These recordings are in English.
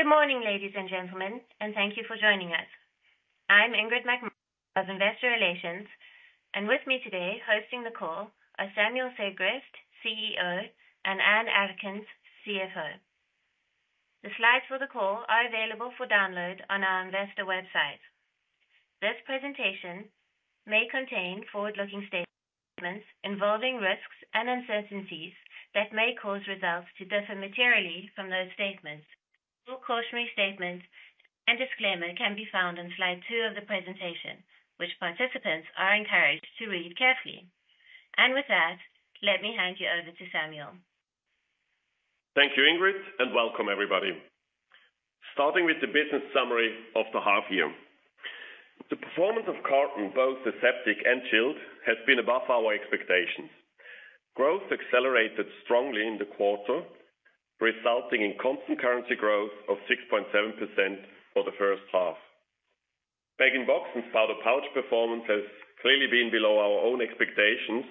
Good morning, ladies and gentlemen, and thank you for joining us. I'm Ingrid McMahon of Investor Relations, and with me today hosting the call are Samuel Sigrist, CEO, and Ann Erkens, CFO. The slides for the call are available for download on our Investor website. This presentation may contain forward-looking statements involving risks and uncertainties that may cause results to differ materially from those statements. Cautionary statements and disclaimers can be found on slide two of the presentation, which participants are encouraged to read carefully. With that, let me hand you over to Samuel. Thank you, Ingrid, and welcome, everybody. Starting with the business summary of the half-year, the performance of carton, both the aseptic and chilled, has been above our expectations. Growth accelerated strongly in the quarter, resulting in constant currency growth of 6.7% for the first half. Bag-in-box and spouted pouch performance has clearly been below our own expectations,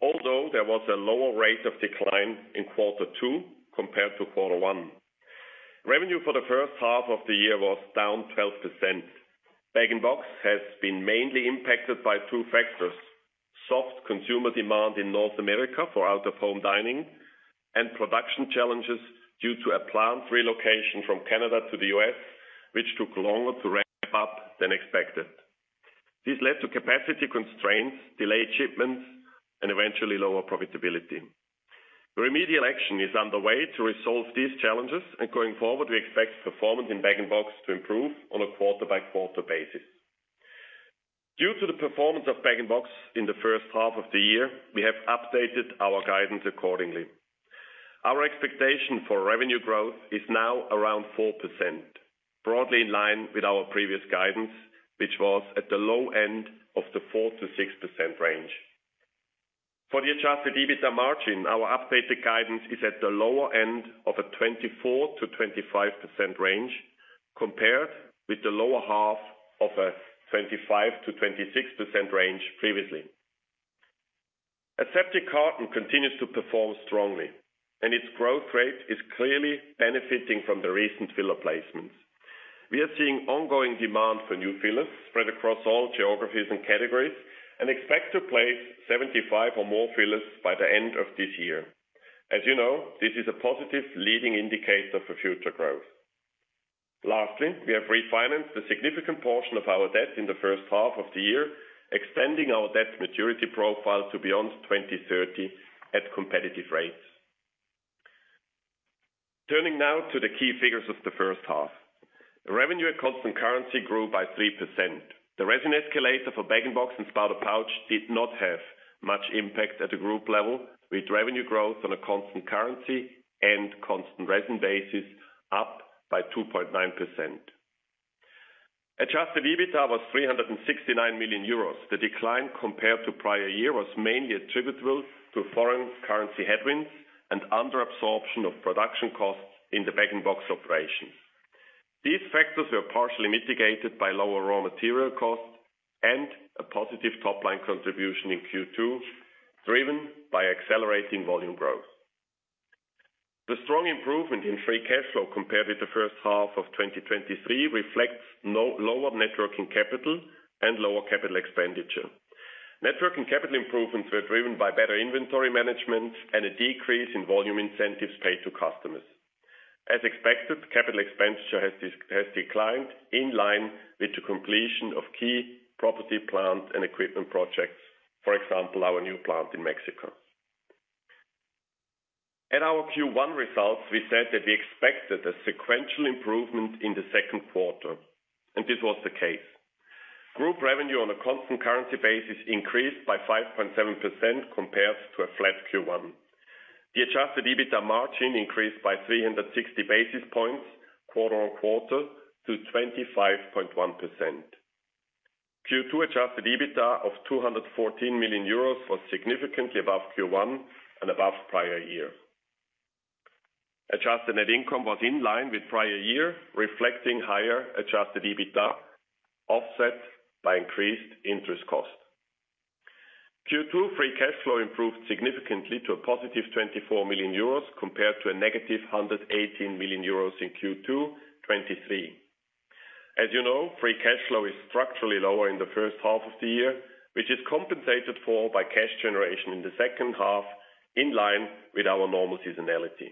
although there was a lower rate of decline in quarter two compared to quarter one. Revenue for the first half of the year was down 12%. Bag-in-box has been mainly impacted by two factors: soft consumer demand in North America for out-of-home dining and production challenges due to a plant relocation from Canada to the U.S., which took longer to ramp up than expected. This led to capacity constraints, delayed shipments, and eventually lower profitability. Remedial action is underway to resolve these challenges, and going forward, we expect performance in bag-in-box to improve on a quarter-by-quarter basis. Due to the performance of bag-in-box in the first half of the year, we have updated our guidance accordingly. Our expectation for revenue growth is now around 4%, broadly in line with our previous guidance, which was at the low end of the 4%-6% range. For the adjusted EBITDA margin, our updated guidance is at the lower end of a 24%-25% range compared with the lower half of a 25%-26% range previously. Aseptic carton continues to perform strongly, and its growth rate is clearly benefiting from the recent filler placements. We are seeing ongoing demand for new fillers spread across all geographies and categories and expect to place 75 or more fillers by the end of this year. As you know, this is a positive leading indicator for future growth. Lastly, we have refinanced a significant portion of our debt in the first half of the year, extending our debt maturity profile to beyond 2030 at competitive rates. Turning now to the key figures of the first half, revenue at constant currency grew by 3%. The resin escalator for bag-in-box and spouted pouch did not have much impact at the group level, with revenue growth on a constant currency and constant resin basis up by 2.9%. Adjusted EBITDA was 369 million euros. The decline compared to prior years was mainly attributable to foreign currency headwinds and under-absorption of production costs in the bag-in-box operations. These factors were partially mitigated by lower raw material costs and a positive top-line contribution in Q2, driven by accelerating volume growth. The strong improvement in free cash flow compared with the first half of 2023 reflects lower working capital and lower capital expenditure. Working capital improvements were driven by better inventory management and a decrease in volume incentives paid to customers. As expected, capital expenditure has declined in line with the completion of key property, plant, and equipment projects, for example, our new plant in Mexico. At our Q1 results, we said that we expected a sequential improvement in the second quarter, and this was the case. Group revenue on a constant currency basis increased by 5.7% compared to a flat Q1. The adjusted EBITDA margin increased by 360 basis points quarter-on-quarter to 25.1%. Q2 adjusted EBITDA of 214 million euros was significantly above Q1 and above prior year. Adjusted net income was in line with prior year, reflecting higher adjusted EBITDA offset by increased interest cost. Q2 free cash flow improved significantly to +24 million euros compared to a -118 million euros in Q2 2023. As you know, free cash flow is structurally lower in the first half of the year, which is compensated for by cash generation in the second half in line with our normal seasonality.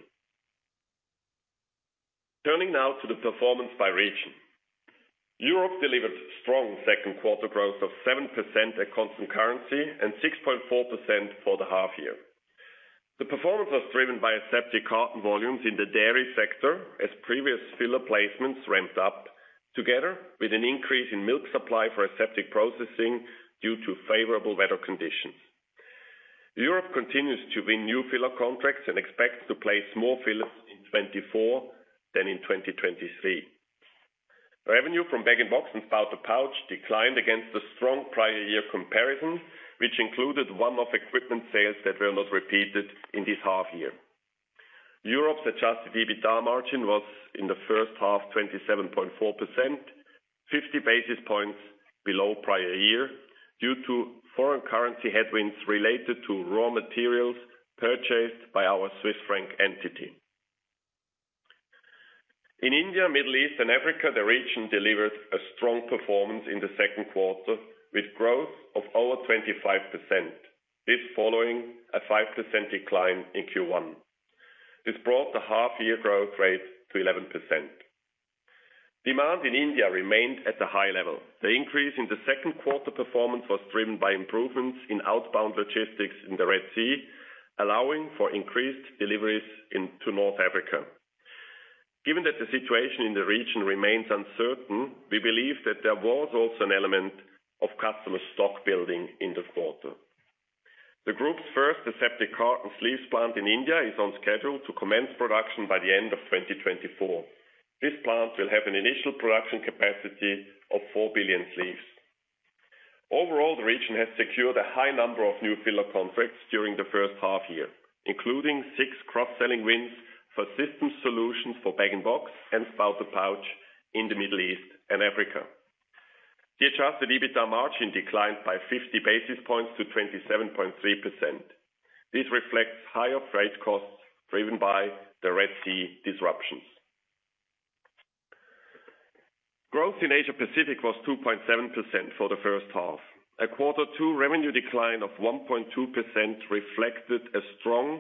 Turning now to the performance by region, Europe delivered strong second quarter growth of 7% at constant currency and 6.4% for the half-year. The performance was driven by aseptic carton volumes in the dairy sector, as previous filler placements ramped up, together with an increase in milk supply for aseptic processing due to favorable weather conditions. Europe continues to win new filler contracts and expects to place more fillers in 2024 than in 2023. Revenue from bag-in-box and spouted pouch declined against the strong prior year comparison, which included one-off equipment sales that were not repeated in this half-year. Europe's adjusted EBITDA margin was in the first half 27.4%, 50 basis points below prior year due to foreign currency headwinds related to raw materials purchased by our Swiss franc entity. In India, Middle East, and Africa, the region delivered a strong performance in the second quarter with growth of over 25%, this following a 5% decline in Q1. This brought the half-year growth rate to 11%. Demand in India remained at a high level. The increase in the second quarter performance was driven by improvements in outbound logistics in the Red Sea, allowing for increased deliveries to North Africa. Given that the situation in the region remains uncertain, we believe that there was also an element of customer stock building in the quarter. The group's first aseptic carton sleeves plant in India is on schedule to commence production by the end of 2024. This plant will have an initial production capacity of 4 billion sleeves. Overall, the region has secured a high number of new filler contracts during the first half-year, including six cross-selling wins for system solutions for bag-in-box and spouted pouch in the Middle East and Africa. The adjusted EBITDA margin declined by 50 basis points to 27.3%. This reflects higher freight costs driven by the Red Sea disruptions. Growth in Asia-Pacific was 2.7% for the first half. In quarter two, revenue decline of 1.2% reflected a strong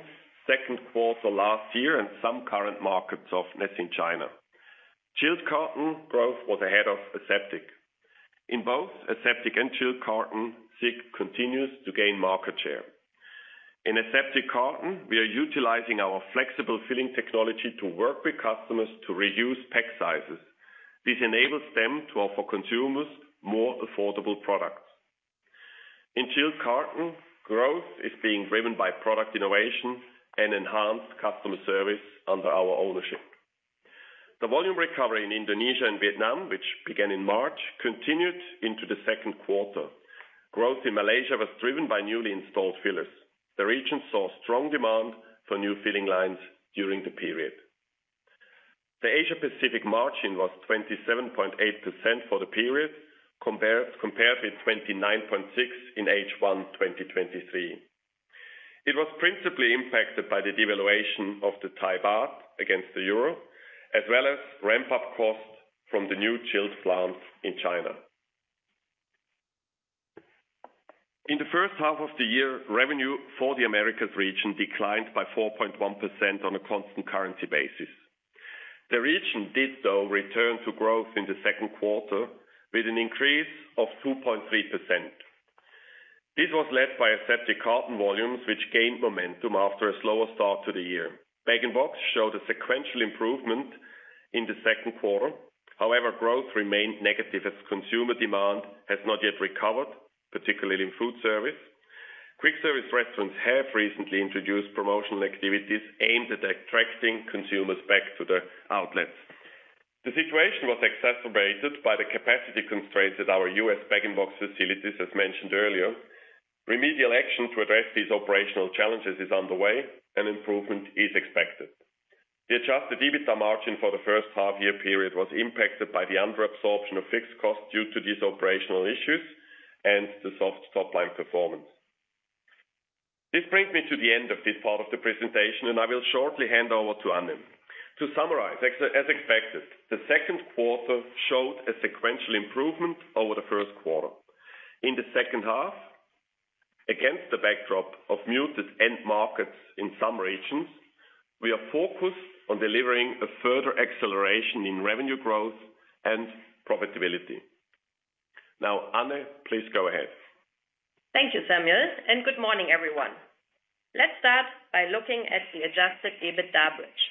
second quarter last year and some current market softness in China. Chilled carton growth was ahead of aseptic. In both aseptic and chilled carton, SIG continues to gain market share. In aseptic carton, we are utilizing our flexible filling technology to work with customers to reduce pack sizes. This enables them to offer consumers more affordable products. In chilled carton, growth is being driven by product innovation and enhanced customer service under our ownership. The volume recovery in Indonesia and Vietnam, which began in March, continued into the second quarter. Growth in Malaysia was driven by newly installed fillers. The region saw strong demand for new filling lines during the period. The Asia-Pacific margin was 27.8% for the period, compared with 29.6% in H1 2023. It was principally impacted by the devaluation of the Thai baht against the euro, as well as ramp-up costs from the new chilled plants in China. In the first half of the year, revenue for the Americas region declined by 4.1% on a constant currency basis. The region did, though, return to growth in the second quarter with an increase of 2.3%. This was led by aseptic carton volumes, which gained momentum after a slower start to the year. Bag-in-box showed a sequential improvement in the second quarter. However, growth remained negative as consumer demand has not yet recovered, particularly in food service. Quick service restaurants have recently introduced promotional activities aimed at attracting consumers back to the outlets. The situation was exacerbated by the capacity constraints at our U.S. bag-in-box facilities, as mentioned earlier. Remedial action to address these operational challenges is underway, and improvement is expected. The adjusted EBITDA margin for the first half-year period was impacted by the under-absorption of fixed costs due to these operational issues and the soft top-line performance. This brings me to the end of this part of the presentation, and I will shortly hand over to Ann. To summarize, as expected, the second quarter showed a sequential improvement over the first quarter. In the second half, against the backdrop of muted end markets in some regions, we are focused on delivering a further acceleration in revenue growth and profitability. Now, Ann, please go ahead. Thank you, Samuel, and good morning, everyone. Let's start by looking at the adjusted EBITDA bridge.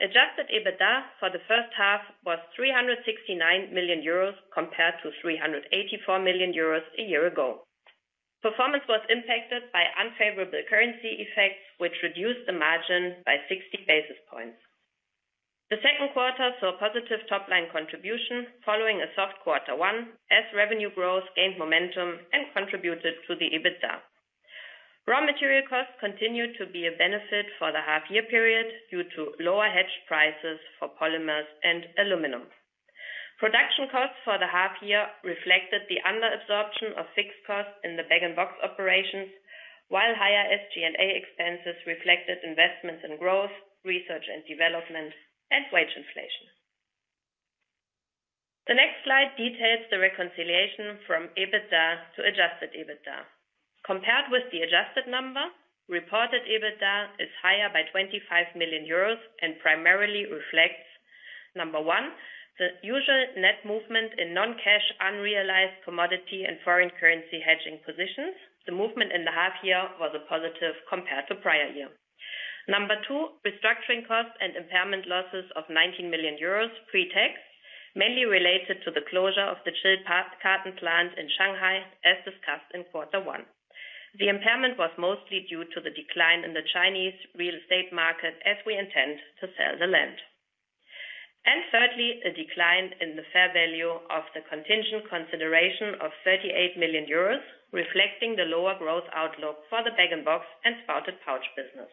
Adjusted EBITDA for the first half was 369 million euros compared to 384 million euros a year ago. Performance was impacted by unfavorable currency effects, which reduced the margin by 60 basis points. The second quarter saw positive top-line contribution following a soft quarter one as revenue growth gained momentum and contributed to the EBITDA. Raw material costs continued to be a benefit for the half-year period due to lower hedge prices for polymers and aluminum. Production costs for the half-year reflected the under-absorption of fixed costs in the bag-in-box operations, while higher SG&A expenses reflected investments in growth, research and development, and wage inflation. The next slide details the reconciliation from EBITDA to adjusted EBITDA. Compared with the adjusted number, reported EBITDA is higher by 25 million euros and primarily reflects, number one, the usual net movement in non-cash unrealized commodity and foreign currency hedging positions. The movement in the half-year was a positive compared to prior year. Number two, restructuring costs and impairment losses of 19 million euros pre-tax, mainly related to the closure of the chilled carton plant in Shanghai, as discussed in quarter one. The impairment was mostly due to the decline in the Chinese real estate market as we intend to sell the land. And thirdly, a decline in the fair value of the contingent consideration of 38 million euros, reflecting the lower growth outlook for the bag-in-box and spouted pouch business.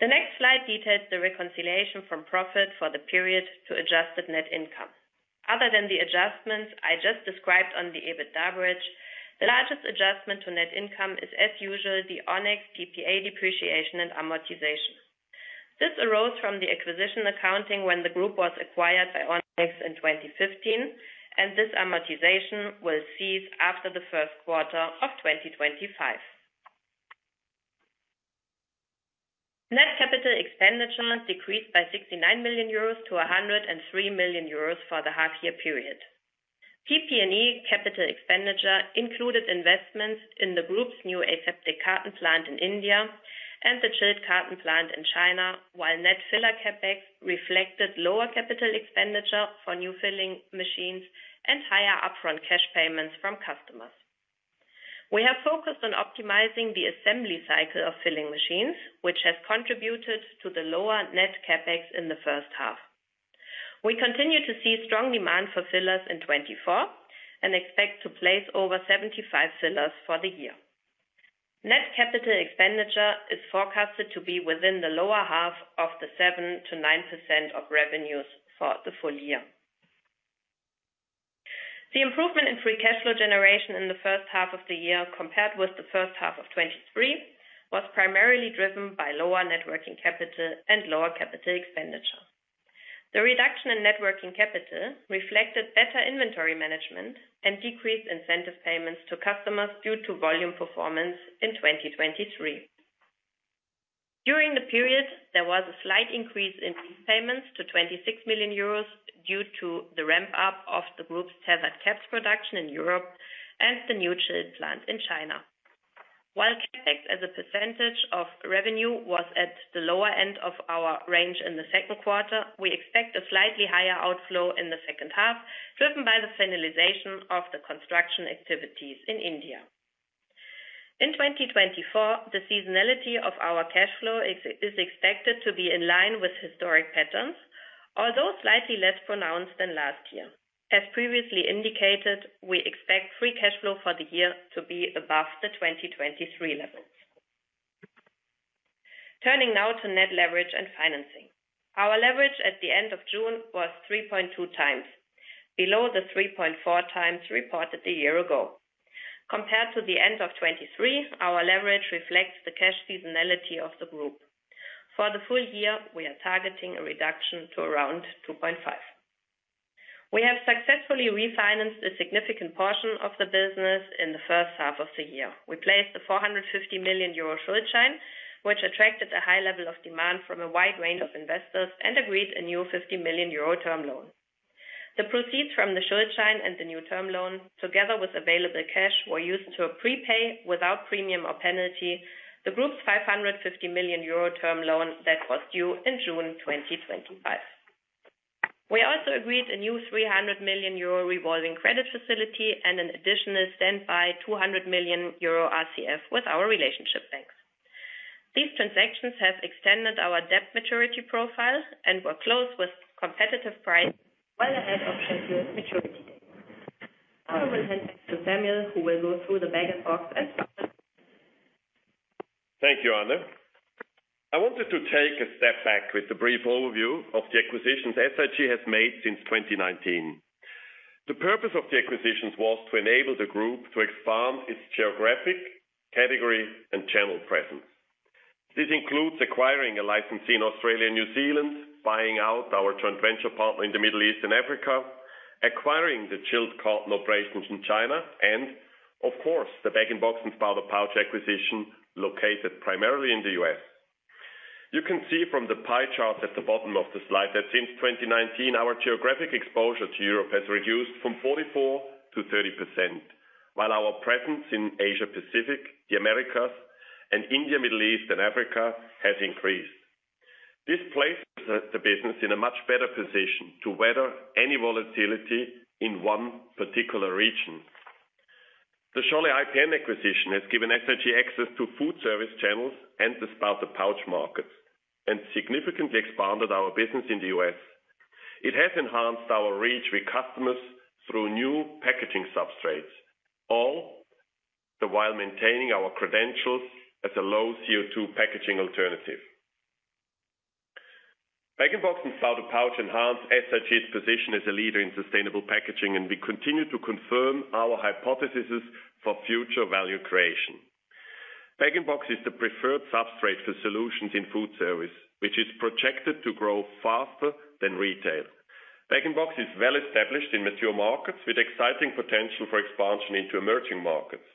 The next slide details the reconciliation from profit for the period to adjusted net income. Other than the adjustments I just described on the EBITDA bridge, the largest adjustment to net income is, as usual, the Onex PPA depreciation and amortization. This arose from the acquisition accounting when the group was acquired by Onex in 2015, and this amortization will cease after the first quarter of 2025. Net capital expenditure decreased by 69 million euros to 103 million euros for the half-year period. PP&E capital expenditure included investments in the group's new aseptic carton plant in India and the chilled carton plant in China, while net filler CapEx reflected lower capital expenditure for new filling machines and higher upfront cash payments from customers. We have focused on optimizing the assembly cycle of filling machines, which has contributed to the lower net CapEx in the first half. We continue to see strong demand for fillers in 2024 and expect to place over 75 fillers for the year. Net capital expenditure is forecasted to be within the lower half of the 7%-9% of revenues for the full year. The improvement in free cash flow generation in the first half of the year, compared with the first half of 2023, was primarily driven by lower working capital and lower capital expenditure. The reduction in working capital reflected better inventory management and decreased incentive payments to customers due to volume performance in 2023. During the period, there was a slight increase in payments to 26 million euros due to the ramp-up of the group's tethered caps production in Europe and the new chilled plant in China. While CapEx as a percentage of revenue was at the lower end of our range in the second quarter, we expect a slightly higher outflow in the second half, driven by the finalization of the construction activities in India. In 2024, the seasonality of our cash flow is expected to be in line with historic patterns, although slightly less pronounced than last year. As previously indicated, we expect free cash flow for the year to be above the 2023 level. Turning now to net leverage and financing. Our leverage at the end of June was 3.2x, below the 3.4x reported the year ago. Compared to the end of 2023, our leverage reflects the cash seasonality of the group. For the full year, we are targeting a reduction to around 2.5. We have successfully refinanced a significant portion of the business in the first half of the year. We placed a 450 million euro Schuldschein, which attracted a high level of demand from a wide range of investors and agreed a new 50 million euro term loan. The proceeds from the Schuldschein and the new term loan, together with available cash, were used to prepay without premium or penalty the group's 550 million euro term loan that was due in June 2025. We also agreed a new 300 million euro revolving credit facility and an additional standby 200 million euro RCF with our relationship banks. These transactions have extended our debt maturity profile and were closed with competitive prices well ahead of scheduled maturity dates. I will hand back to Samuel, who will go through the bag-in-box as well. Thank you, Ann. I wanted to take a step back with a brief overview of the acquisitions SIG has made since 2019. The purpose of the acquisitions was to enable the group to expand its geographic, category, and channel presence. This includes acquiring a licensee in Australia and New Zealand, buying out our joint venture partner in the Middle East and Africa, acquiring the chilled carton operations in China, and, of course, the bag-in-box and spouted pouch acquisition located primarily in the US. You can see from the pie chart at the bottom of the slide that since 2019, our geographic exposure to Europe has reduced from 44%-30%, while our presence in Asia-Pacific, the Americas, and India, Middle East, and Africa has increased. This places the business in a much better position to weather any volatility in one particular region. The Scholle IPN acquisition has given SIG access to food service channels and the spouted pouch markets and significantly expanded our business in the US. It has enhanced our reach with customers through new packaging substrates, all while maintaining our credentials as a low CO2 packaging alternative. Bag-in-box and spouted pouch enhance SIG's position as a leader in sustainable packaging, and we continue to confirm our hypotheses for future value creation. Bag-in-box is the preferred substrate for solutions in food service, which is projected to grow faster than retail. Bag-in-box is well established in mature markets with exciting potential for expansion into emerging markets.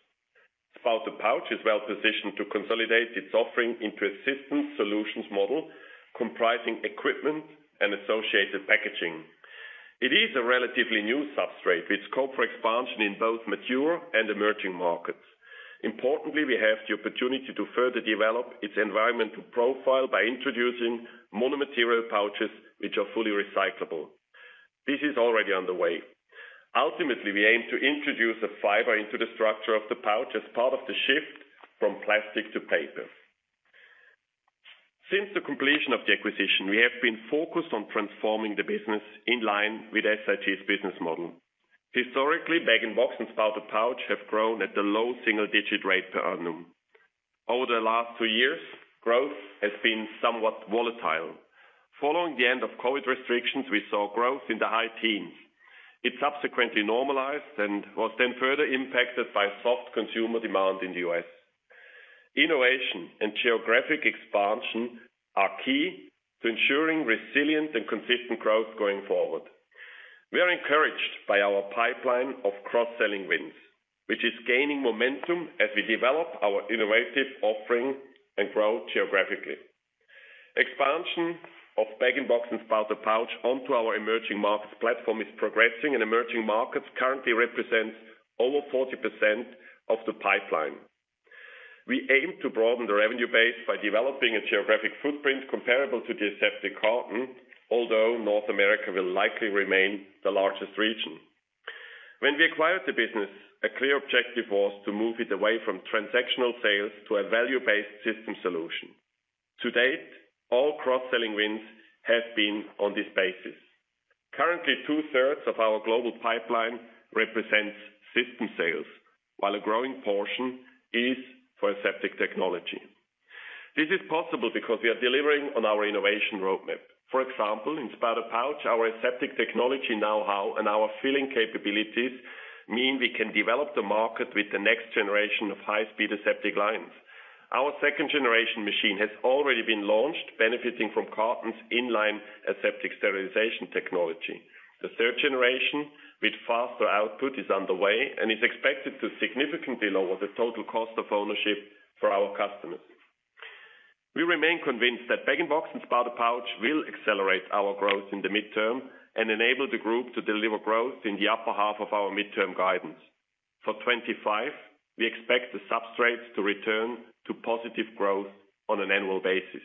Spouted pouch is well positioned to consolidate its offering into a system solutions model comprising equipment and associated packaging. It is a relatively new substrate with scope for expansion in both mature and emerging markets. Importantly, we have the opportunity to further develop its environmental profile by introducing monomaterial pouches, which are fully recyclable. This is already underway. Ultimately, we aim to introduce a fiber into the structure of the pouch as part of the shift from plastic to paper. Since the completion of the acquisition, we have been focused on transforming the business in line with SIG's business model. Historically, bag-in-box and spouted pouch have grown at the low single-digit rate per annum. Over the last two years, growth has been somewhat volatile. Following the end of COVID restrictions, we saw growth in the high teens. It subsequently normalized and was then further impacted by soft consumer demand in the US. Innovation and geographic expansion are key to ensuring resilient and consistent growth going forward. We are encouraged by our pipeline of cross-selling wins, which is gaining momentum as we develop our innovative offering and grow geographically. Expansion of bag-in-box and spouted pouch onto our emerging markets platform is progressing, and emerging markets currently represent over 40% of the pipeline. We aim to broaden the revenue base by developing a geographic footprint comparable to the aseptic carton, although North America will likely remain the largest region. When we acquired the business, a clear objective was to move it away from transactional sales to a value-based system solution. To date, all cross-selling wins have been on this basis. Currently, two-thirds of our global pipeline represents system sales, while a growing portion is for aseptic technology. This is possible because we are delivering on our innovation roadmap. For example, in spouted pouch, our aseptic technology know-how and our filling capabilities mean we can develop the market with the next generation of high-speed aseptic lines. Our second-generation machine has already been launched, benefiting from cartons in-line aseptic sterilization technology. The third generation with faster output is underway and is expected to significantly lower the total cost of ownership for our customers. We remain convinced that bag-in-box and spouted pouch will accelerate our growth in the midterm and enable the group to deliver growth in the upper half of our midterm guidance. For 2025, we expect the substrates to return to positive growth on an annual basis.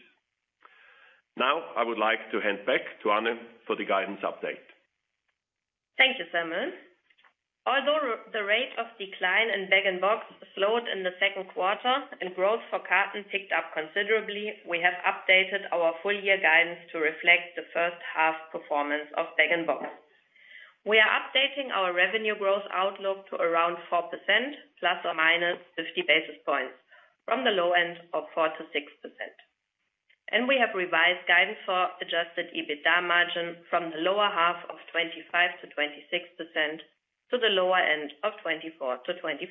Now, I would like to hand back to Ann for the guidance update. Thank you, Samuel. Although the rate of decline in bag-in-box slowed in the second quarter and growth for carton picked up considerably, we have updated our full-year guidance to reflect the first half performance of bag-in-box. We are updating our revenue growth outlook to around 4% ±50 basis points from the low end of 4%-6%. We have revised guidance for adjusted EBITDA margin from the lower half of 25%-26% to the lower end of 24%-25%.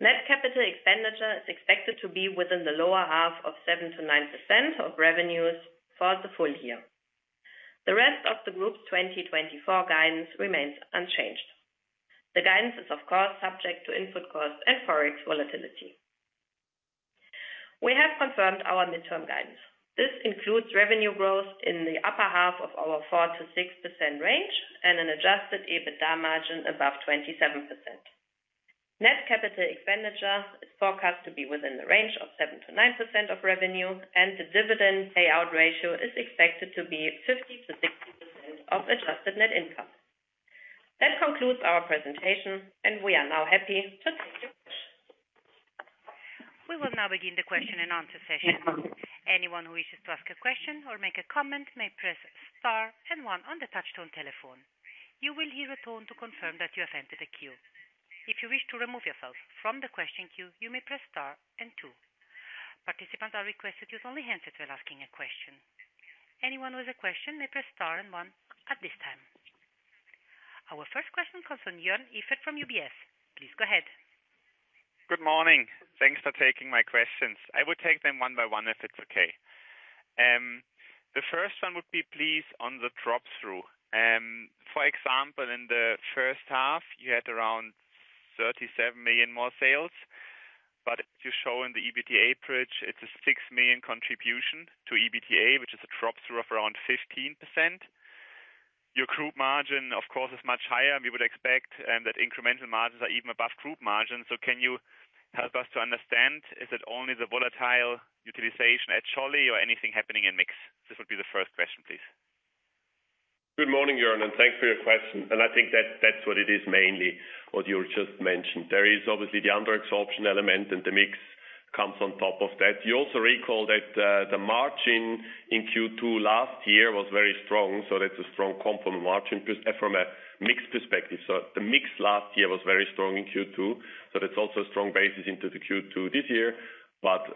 Net capital expenditure is expected to be within the lower half of 7%-9% of revenues for the full year. The rest of the group's 2024 guidance remains unchanged. The guidance is, of course, subject to input costs and forex volatility. We have confirmed our midterm guidance. This includes revenue growth in the upper half of our 4%-6% range and an adjusted EBITDA margin above 27%. Net capital expenditure is forecast to be within the range of 7%-9% of revenue, and the dividend payout ratio is expected to be 50%-60% of adjusted net income. That concludes our presentation, and we are now happy to take your questions. We will now begin the question and answer session. Anyone who wishes to ask a question or make a comment may press Star and 1 on the touch-tone telephone. You will hear a tone to confirm that you have entered a queue. If you wish to remove yourself from the question queue, you may press Star and 2. Participants are requested to use only handsets while asking a question. Anyone with a question may press Star and 1 at this time. Our first question comes from Jörn Iffert from UBS. Please go ahead. Good morning. Thanks for taking my questions. I will take them one by one if it's okay. The first one would be please on the drop-through. For example, in the first half, you had around 37 million more sales, but as you show in the EBITDA bridge, it's a 6 million contribution to EBITDA, which is a drop-through of around 15%. Your group margin, of course, is much higher. We would expect that incremental margins are even above group margins. So can you help us to understand? Is it only the volatile utilization at Scholle or anything happening in mix? This would be the first question, please. Good morning, Jörn, and thanks for your question. I think that that's what it is mainly, what you just mentioned. There is obviously the under-absorption element, and the mix comes on top of that. You also recall that the margin in Q2 last year was very strong, so that's a strong component margin from a mix perspective. The mix last year was very strong in Q2, so that's also a strong basis into the Q2 this year. But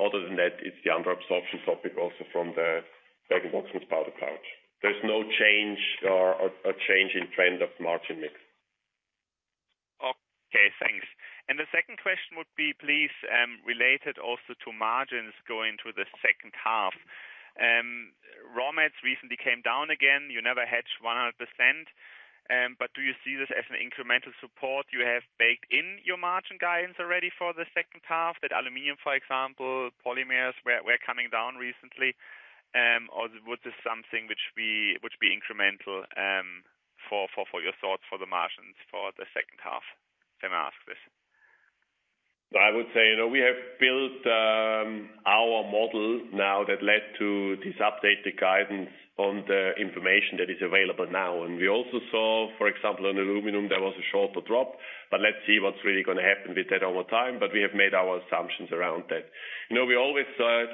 other than that, it's the under-absorption topic also from the bag-in-box and spouted pouch. There's no change or change in trend of margin mix. Okay, thanks. And the second question would be, please, related also to margins going to the second half. Raw materials recently came down again. You never hedged 100%, but do you see this as an incremental support? You have baked in your margin guidance already for the second half that aluminum, for example, polymers were coming down recently. Or would this be something which would be incremental for your thoughts for the margins for the second half? Can I ask this? I would say we have built our model now that led to this update to guidance on the information that is available now. We also saw, for example, on aluminum, there was a shorter drop, but let's see what's really going to happen with that over time. We have made our assumptions around that. We always said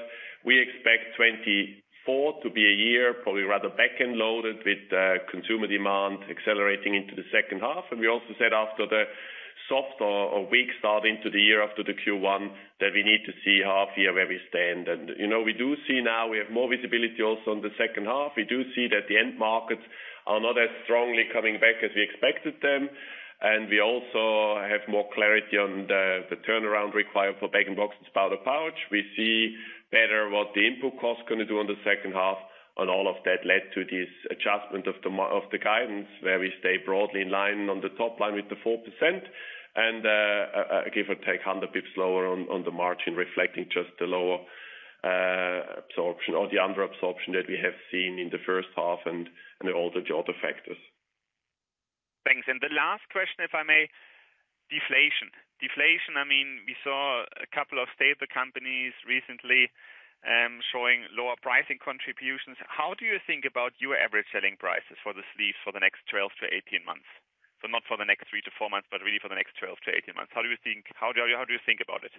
we expect 2024 to be a year probably rather back-end loaded with consumer demand accelerating into the second half. We also said after the soft or weak start into the year after the Q1 that we need to see half year where we stand. We do see now we have more visibility also on the second half. We do see that the end markets are not as strongly coming back as we expected them. We also have more clarity on the turnaround required for bag-in-box and spouted pouch. We see better what the input cost is going to do on the second half, and all of that led to this adjustment of the guidance where we stay broadly in line on the top line with the 4% and give or take 100 basis points lower on the margin reflecting just the lower absorption or the under-absorption that we have seen in the first half and all the other factors. Thanks. The last question, if I may, deflation. Deflation, I mean, we saw a couple of stable companies recently showing lower pricing contributions. How do you think about your average selling prices for the sleeves for the next 12-18 months? So not for the next 3-4 months, but really for the next 12-18 months. How do you think about it?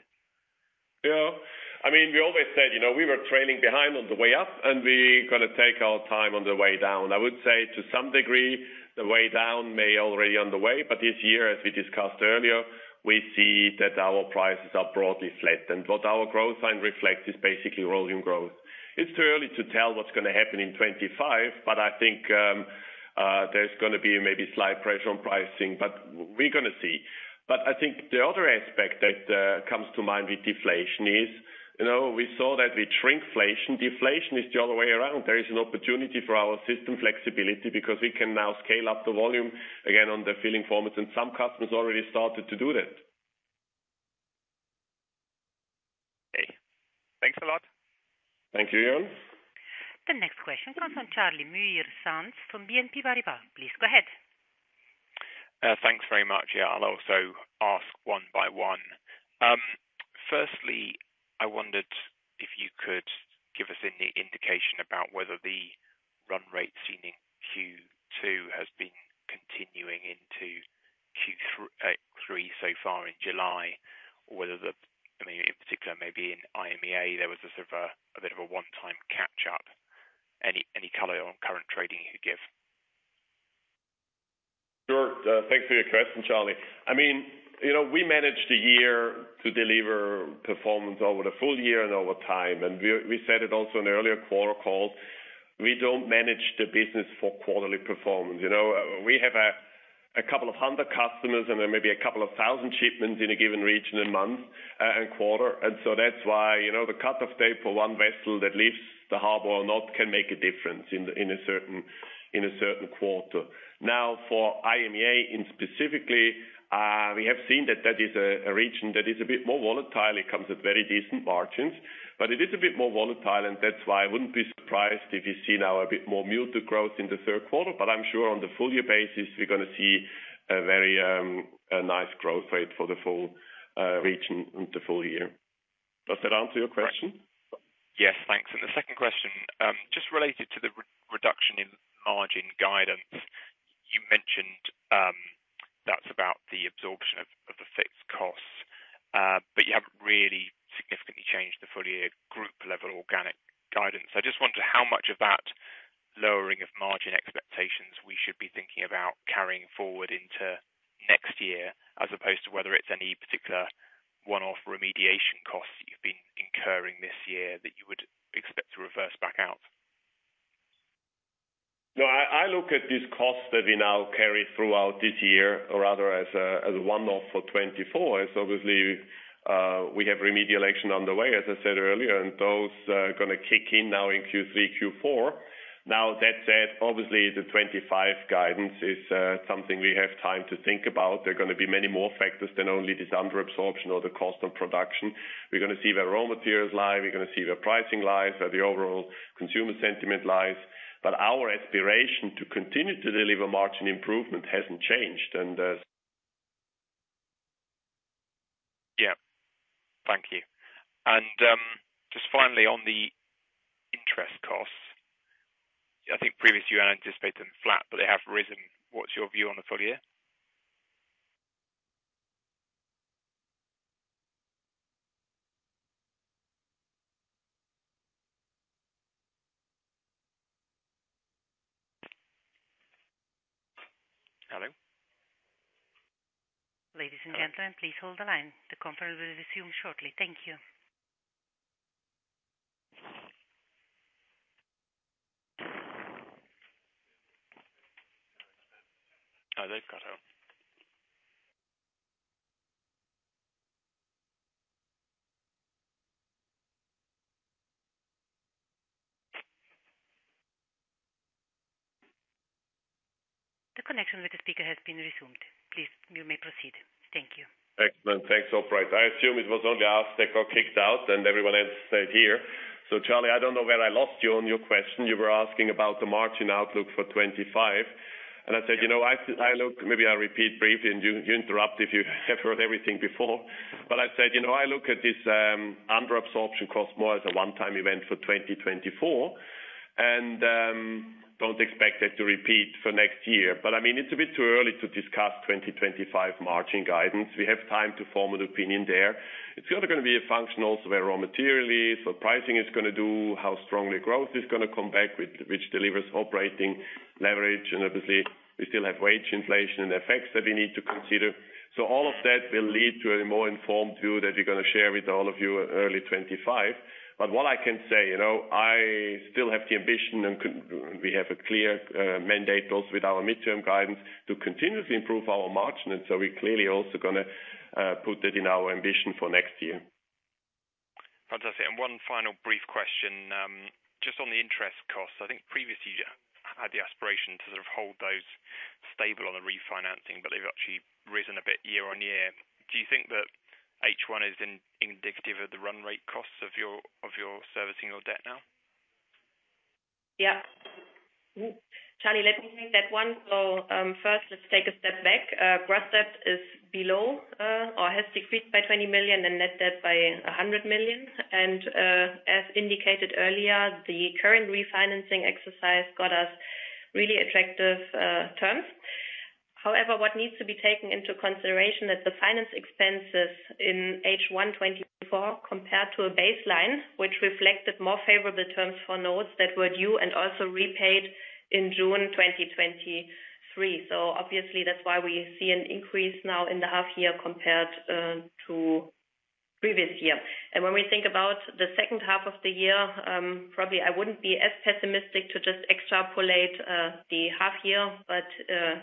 Yeah. I mean, we always said we were trailing behind on the way up, and we're going to take our time on the way down. I would say to some degree, the way down may already be on the way, but this year, as we discussed earlier, we see that our prices are broadly flat. And what our growth line reflects is basically volume growth. It's too early to tell what's going to happen in 2025, but I think there's going to be maybe slight pressure on pricing, but we're going to see. But I think the other aspect that comes to mind with deflation is we saw that with shrinkflation, deflation is the other way around. There is an opportunity for our system flexibility because we can now scale up the volume again on the filling formats, and some customers already started to do that. Okay. Thanks a lot. Thank you, Jörn. The next question comes from Charlie Muir-Sands from BNP Paribas. Please go ahead. Thanks very much. Yeah, I'll also ask one by one. Firstly, I wondered if you could give us any indication about whether the run rates in Q2 have been continuing into Q3 so far in July, or whether the, I mean, in particular, maybe in IMEA, there was a bit of a one-time catch-up. Any color on current trading you could give? Sure. Thanks for your question, Charlie. I mean, we managed a year to deliver performance over the full year and over time, and we said it also in earlier quarter calls. We don't manage the business for quarterly performance. We have a couple of hundred customers and then maybe a couple of thousand shipments in a given region and month and quarter. And so that's why the cut-off date for one vessel that leaves the harbor or not can make a difference in a certain quarter. Now, for IMEA specifically, we have seen that that is a region that is a bit more volatile. It comes at very decent margins, but it is a bit more volatile, and that's why I wouldn't be surprised if you see now a bit more muted growth in the third quarter. But I'm sure on the full-year basis, we're going to see a very nice growth rate for the full region and the full year. Does that answer your question? Yes, thanks. The second question, just related to the reduction in margin guidance, you mentioned that's about the absorption of the fixed costs, but you haven't really significantly changed the full-year group-level organic guidance. I just wondered how much of that lowering of margin expectations we should be thinking about carrying forward into next year as opposed to whether it's any particular one-off remediation costs you've been incurring this year that you would expect to reverse back out? No, I look at these costs that we now carry throughout this year or rather as a one-off for 2024. Obviously, we have remediation on the way, as I said earlier, and those are going to kick in now in Q3, Q4. Now, that said, obviously, the 2025 guidance is something we have time to think about. There are going to be many more factors than only this under-absorption or the cost of production. We're going to see where raw materials lie. We're going to see where pricing lies, where the overall consumer sentiment lies. But our aspiration to continue to deliver margin improvement hasn't changed. And. Yeah. Thank you. And just finally, on the interest costs, I think previously you anticipated them flat, but they have risen. What's your view on the full year? Hello? Ladies and gentlemen, please hold the line. The conference will resume shortly. Thank you. No, they've got her. The connection with the speaker has been resumed. Please, you may proceed. Thank you. Excellent. Thanks, Operator. I assume it was only us that got kicked out and everyone else stayed here. So, Charlie, I don't know where I lost you on your question. You were asking about the margin outlook for 2025. And I said, you know, I looked, maybe I'll repeat briefly, and you interrupt if you have heard everything before, but I said, you know, I look at this under-absorption cost more as a one-time event for 2024 and don't expect it to repeat for next year. But I mean, it's a bit too early to discuss 2025 margin guidance. We have time to form an opinion there. It's going to be a function also where raw material is, what pricing is going to do, how strongly growth is going to come back, which delivers operating leverage. And obviously, we still have wage inflation and effects that we need to consider. All of that will lead to a more informed view that we're going to share with all of you early 2025. But what I can say, I still have the ambition, and we have a clear mandate also with our midterm guidance to continuously improve our margin. And so we're clearly also going to put that in our ambition for next year. Fantastic. One final brief question. Just on the interest costs, I think previously you had the aspiration to sort of hold those stable on the refinancing, but they've actually risen a bit year on year. Do you think that H1 is indicative of the run rate costs of your servicing your debt now? Yeah. Charlie, let me take that one. So first, let's take a step back. Gross debt is below or has decreased by 20 million and net debt by 100 million. And as indicated earlier, the current refinancing exercise got us really attractive terms. However, what needs to be taken into consideration is that the finance expenses in H1 2024 compared to a baseline, which reflected more favorable terms for notes that were due and also repaid in June 2023. So obviously, that's why we see an increase now in the half year compared to previous year. And when we think about the second half of the year, probably I wouldn't be as pessimistic to just extrapolate the half year, but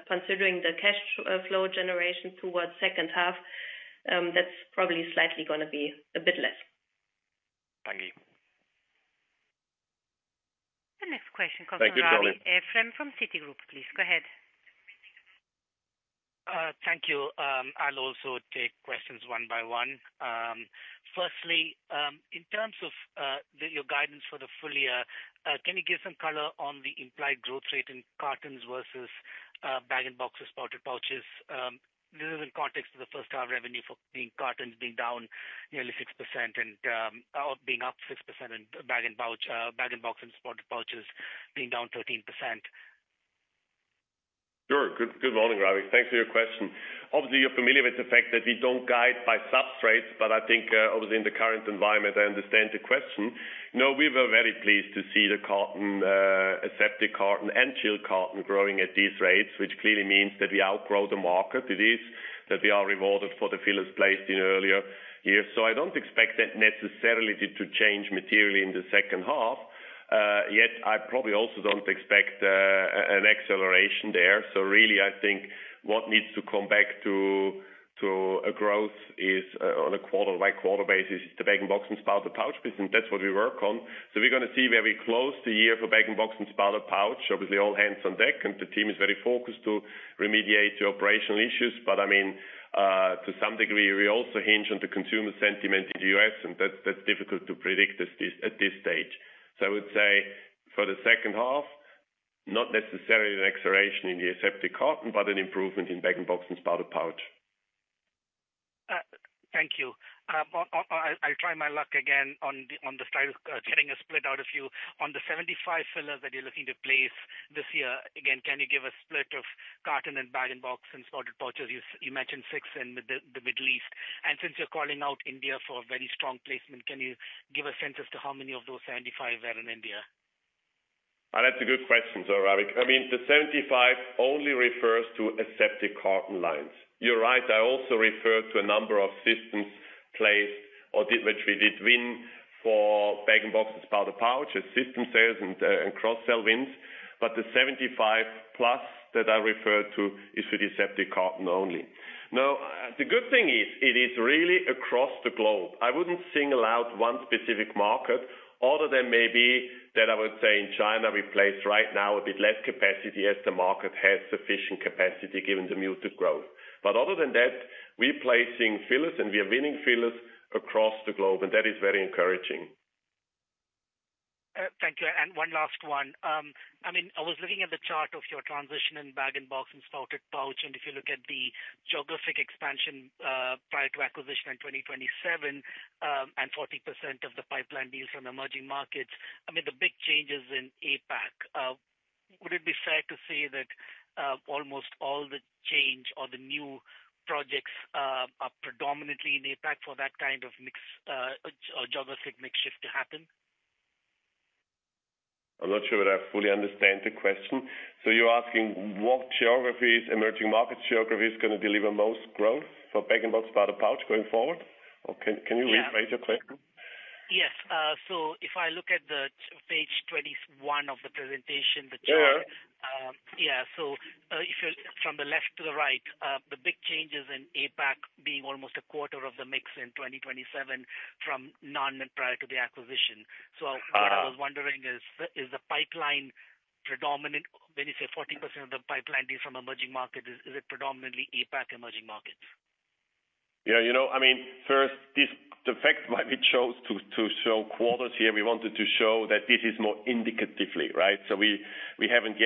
considering the cash flow generation towards second half, that's probably slightly going to be a bit less. Thank you. The next question comes from. Good morning. Ephrem from Citigroup, please. Go ahead. Thank you. I'll also take questions one by one. Firstly, in terms of your guidance for the full year, can you give some color on the implied growth rate in cartons versus bag-in-box and spouted pouches? This is in context of the first-half revenue for cartons being down nearly 6% and being up 6% and bag-in-box and spouted pouches being down 13%. Sure. Good morning, Ravi. Thanks for your question. Obviously, you're familiar with the fact that we don't guide by sub-segments, but I think obviously in the current environment, I understand the question. No, we were very pleased to see the carton, aseptic carton, and chilled carton growing at these rates, which clearly means that we outgrow the market. It is that we are rewarded for the fillers placed in earlier years. So I don't expect that necessarily to change materially in the second half. Yet, I probably also don't expect an acceleration there. So really, I think what needs to come back to a growth is on a quarter-by-quarter basis is the bag-in-box and spouted pouch business. And that's what we work on. So we're going to see where we close the year for bag-in-box and spouted pouch. Obviously, all hands on deck, and the team is very focused to remediate the operational issues. But I mean, to some degree, we also hinge on the consumer sentiment in the U.S., and that's difficult to predict at this stage. So I would say for the second half, not necessarily an acceleration in the aseptic carton, but an improvement in bag-in-box and spouted pouch. Thank you. I'll try my luck again on the style of getting a split out of you. On the 75 fillers that you're looking to place this year, again, can you give a split of carton and bag-in-box and spouted pouches? You mentioned 6 in the Middle East. And since you're calling out India for a very strong placement, can you give a sense as to how many of those 75 are in India? That's a good question, sir, Ravi. I mean, the 75 only refers to an aseptic carton line. You're right. I also refer to a number of systems placed or which we did win for bag-in-box and spouted pouches, system sales and cross-sale wins. But the 75+ that I refer to is for the aseptic carton only. Now, the good thing is it is really across the globe. I wouldn't single out one specific market. Other than maybe that I would say in China, we place right now a bit less capacity as the market has sufficient capacity given the muted growth. But other than that, we're placing fillers, and we are winning fillers across the globe, and that is very encouraging. Thank you. And one last one. I mean, I was looking at the chart of your transition in bag-in-box and spouted pouch, and if you look at the geographic expansion prior to acquisition in 2027 and 40% of the pipeline deals from emerging markets, I mean, the big changes in APAC, would it be fair to say that almost all the change or the new projects are predominantly in APAC for that kind of geographic shift to happen? I'm not sure that I fully understand the question. So you're asking what geographies, emerging markets geographies are going to deliver most growth for bag-in-box and spouted pouch going forward? Or can you rephrase your question? Yes. So if I look at page 21 of the presentation, the chart. Yeah. So from the left to the right, the big changes in APAC being almost a quarter of the mix in 2027 from non-net prior to the acquisition. So what I was wondering is, is the pipeline predominant when you say 40% of the pipeline deals from emerging markets, is it predominantly APAC emerging markets? Yeah. You know, I mean, first, the fact why we chose to show quarters here, we wanted to show that this is more indicatively, right? So we haven't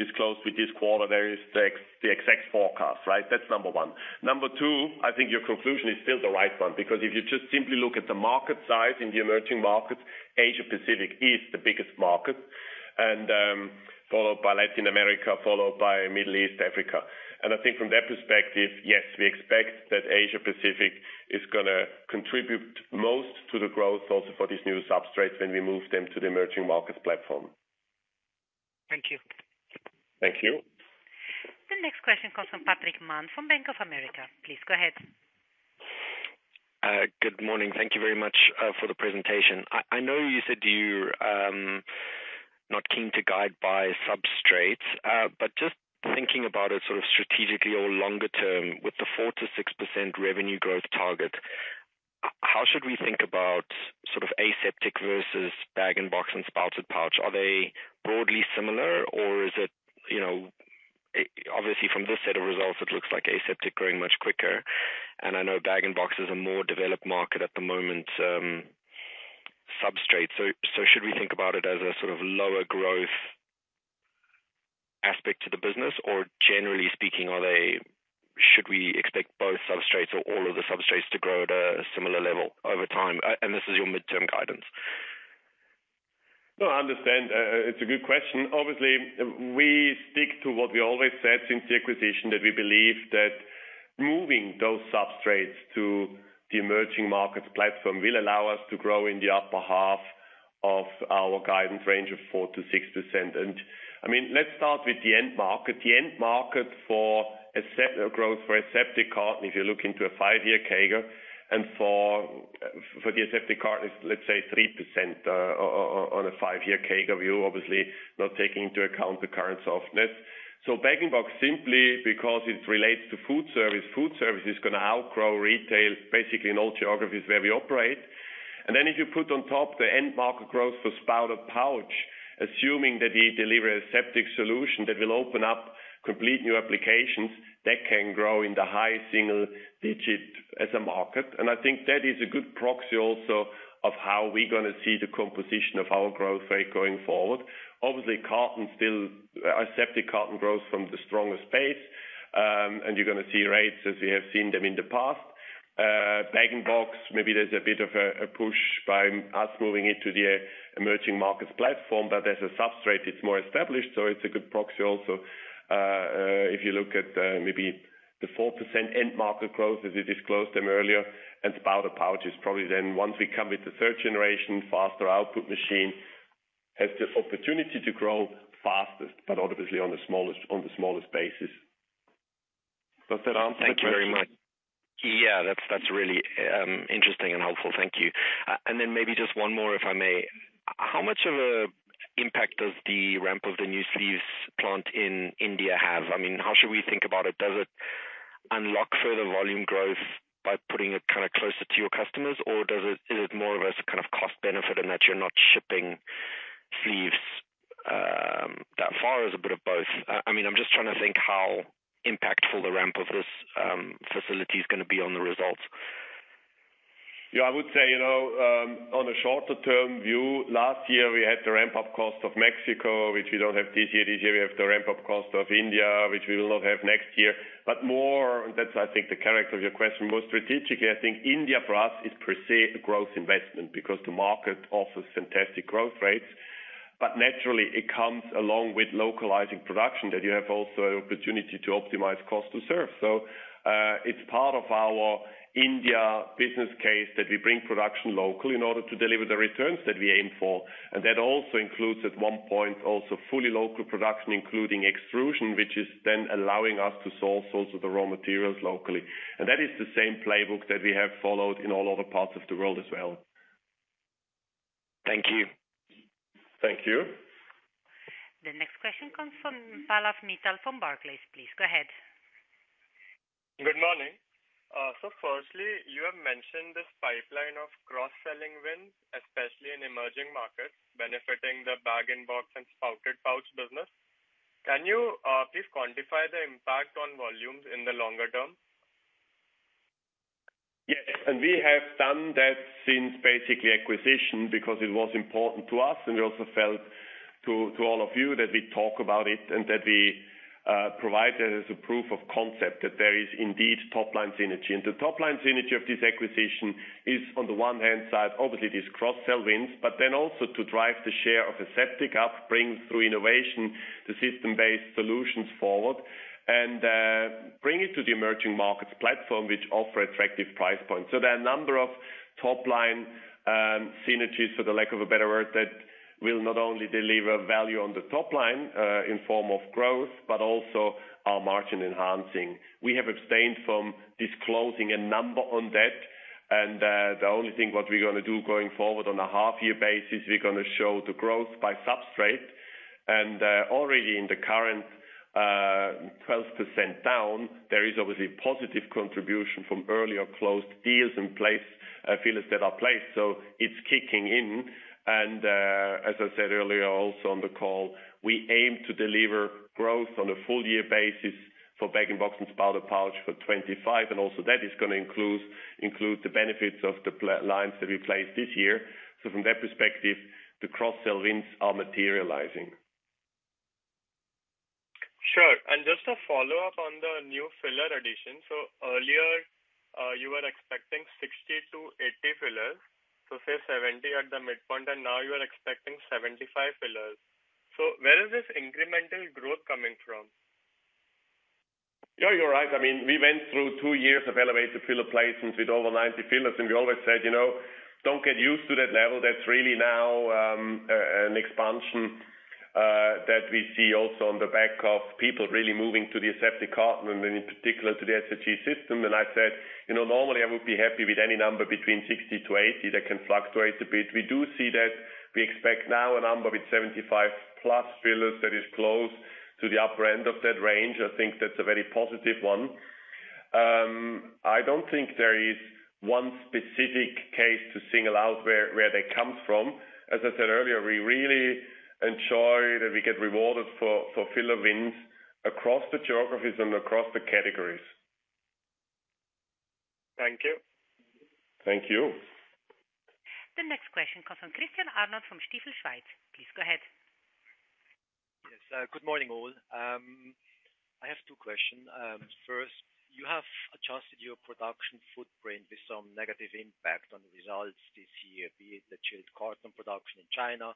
disclosed with this quarter there is the exact forecast, right? That's number one. Number two, I think your conclusion is still the right one because if you just simply look at the market size in the emerging markets, Asia-Pacific is the biggest market, followed by Latin America, followed by Middle East, Africa. And I think from that perspective, yes, we expect that Asia-Pacific is going to contribute most to the growth also for these new substrates when we move them to the emerging markets platform. Thank you. Thank you. The next question comes from Patrick Mann from Bank of America. Please go ahead. Good morning. Thank you very much for the presentation. I know you said you're not keen to guide by substrates, but just thinking about it sort of strategically or longer term with the 4%-6% revenue growth target, how should we think about sort of aseptic versus bag-in-box and spouted pouch? Are they broadly similar, or is it obviously from this set of results, it looks like aseptic growing much quicker? And I know bag-in-box is a more developed market at the moment, substrates. So should we think about it as a sort of lower growth aspect to the business, or generally speaking, should we expect both substrates or all of the substrates to grow at a similar level over time? And this is your midterm guidance. No, I understand. It's a good question. Obviously, we stick to what we always said since the acquisition that we believe that moving those substrates to the emerging markets platform will allow us to grow in the upper half of our guidance range of 4%-6%. And I mean, let's start with the end market. The end market for growth for aseptic carton, if you look into a five-year CAGR, and for the aseptic carton is, let's say, 3% on a five-year CAGR view, obviously not taking into account the current softness. So bag-in-box simply because it relates to food service. Food service is going to outgrow retail basically in all geographies where we operate. Then if you put on top the end market growth for spouted pouch, assuming that we deliver an aseptic solution that will open up completely new applications, that can grow in the high single digit as a market. And I think that is a good proxy also of how we're going to see the composition of our growth rate going forward. Obviously, aseptic carton grows from the stronger space, and you're going to see rates as we have seen them in the past. Bag-in-box, maybe there's a bit of a push by us moving it to the emerging markets platform, but as a substrate, it's more established. So it's a good proxy also if you look at maybe the 4% end market growth as we disclosed them earlier. Spouted pouch is probably then once we come with the third generation, faster output machine has the opportunity to grow fastest, but obviously on the smallest basis. Does that answer the question? Thank you very much. Yeah, that's really interesting and helpful. Thank you. And then maybe just one more, if I may. How much of an impact does the ramp of the new sleeves plant in India have? I mean, how should we think about it? Does it unlock further volume growth by putting it kind of closer to your customers, or is it more of a kind of cost benefit in that you're not shipping sleeves that far? It's a bit of both. I mean, I'm just trying to think how impactful the ramp of this facility is going to be on the results. Yeah, I would say on a shorter-term view, last year we had the ramp-up cost of Mexico, which we don't have this year. This year we have the ramp-up cost of India, which we will not have next year. But more, and that's, I think, the character of your question, more strategically, I think India for us is per se a growth investment because the market offers fantastic growth rates. But naturally, it comes along with localizing production that you have also an opportunity to optimize cost to serve. So it's part of our India business case that we bring production locally in order to deliver the returns that we aim for. And that also includes at one point also fully local production, including extrusion, which is then allowing us to source also the raw materials locally. That is the same playbook that we have followed in all other parts of the world as well. Thank you. Thank you. The next question comes from Pallav Mittal from Barclays, please. Go ahead. Good morning. So firstly, you have mentioned this pipeline of cross-selling wins, especially in emerging markets benefiting the bag-in-box and spouted pouch business. Can you please quantify the impact on volumes in the longer term? Yes. And we have done that since basically acquisition because it was important to us, and we also felt to all of you that we talk about it and that we provide that as a proof of concept that there is indeed top-line synergy. And the top-line synergy of this acquisition is on the one hand side, obviously these cross-sell wins, but then also to drive the share of aseptic up, bring through innovation, the system-based solutions forward, and bring it to the emerging markets platform, which offers attractive price points. So there are a number of top-line synergies, for the lack of a better word, that will not only deliver value on the top line in form of growth, but also our margin enhancing. We have abstained from disclosing a number on that. The only thing what we're going to do going forward on a half-year basis, we're going to show the growth by substrate. Already in the current 12% down, there is obviously positive contribution from earlier closed deals and fillers that are placed. So it's kicking in. As I said earlier also on the call, we aim to deliver growth on a full-year basis for bag-in-box and spouted pouch for 2025. Also that is going to include the benefits of the lines that we placed this year. So from that perspective, the cross-sell wins are materializing. Sure. Just to follow up on the new filler addition, so earlier you were expecting 60-80 fillers, so say 70 at the midpoint, and now you are expecting 75 fillers. Where is this incremental growth coming from? Yeah, you're right. I mean, we went through two years of elevated filler placements with over 90 fillers, and we always said, "Don't get used to that level." That's really now an expansion that we see also on the back of people really moving to the aseptic carton and then in particular to the SIG system. And I said, "Normally, I would be happy with any number between 60-80 that can fluctuate a bit." We do see that we expect now a number with 75+ fillers that is close to the upper end of that range. I think that's a very positive one. I don't think there is one specific case to single out where that comes from. As I said earlier, we really enjoy that we get rewarded for filler wins across the geographies and across the categories. Thank you. Thank you. The next question comes from Christian Arnold from Stifel Schweiz. Please go ahead. Yes. Good morning, all. I have two questions. First, you have adjusted your production footprint with some negative impact on the results this year, be it the chilled carton production in China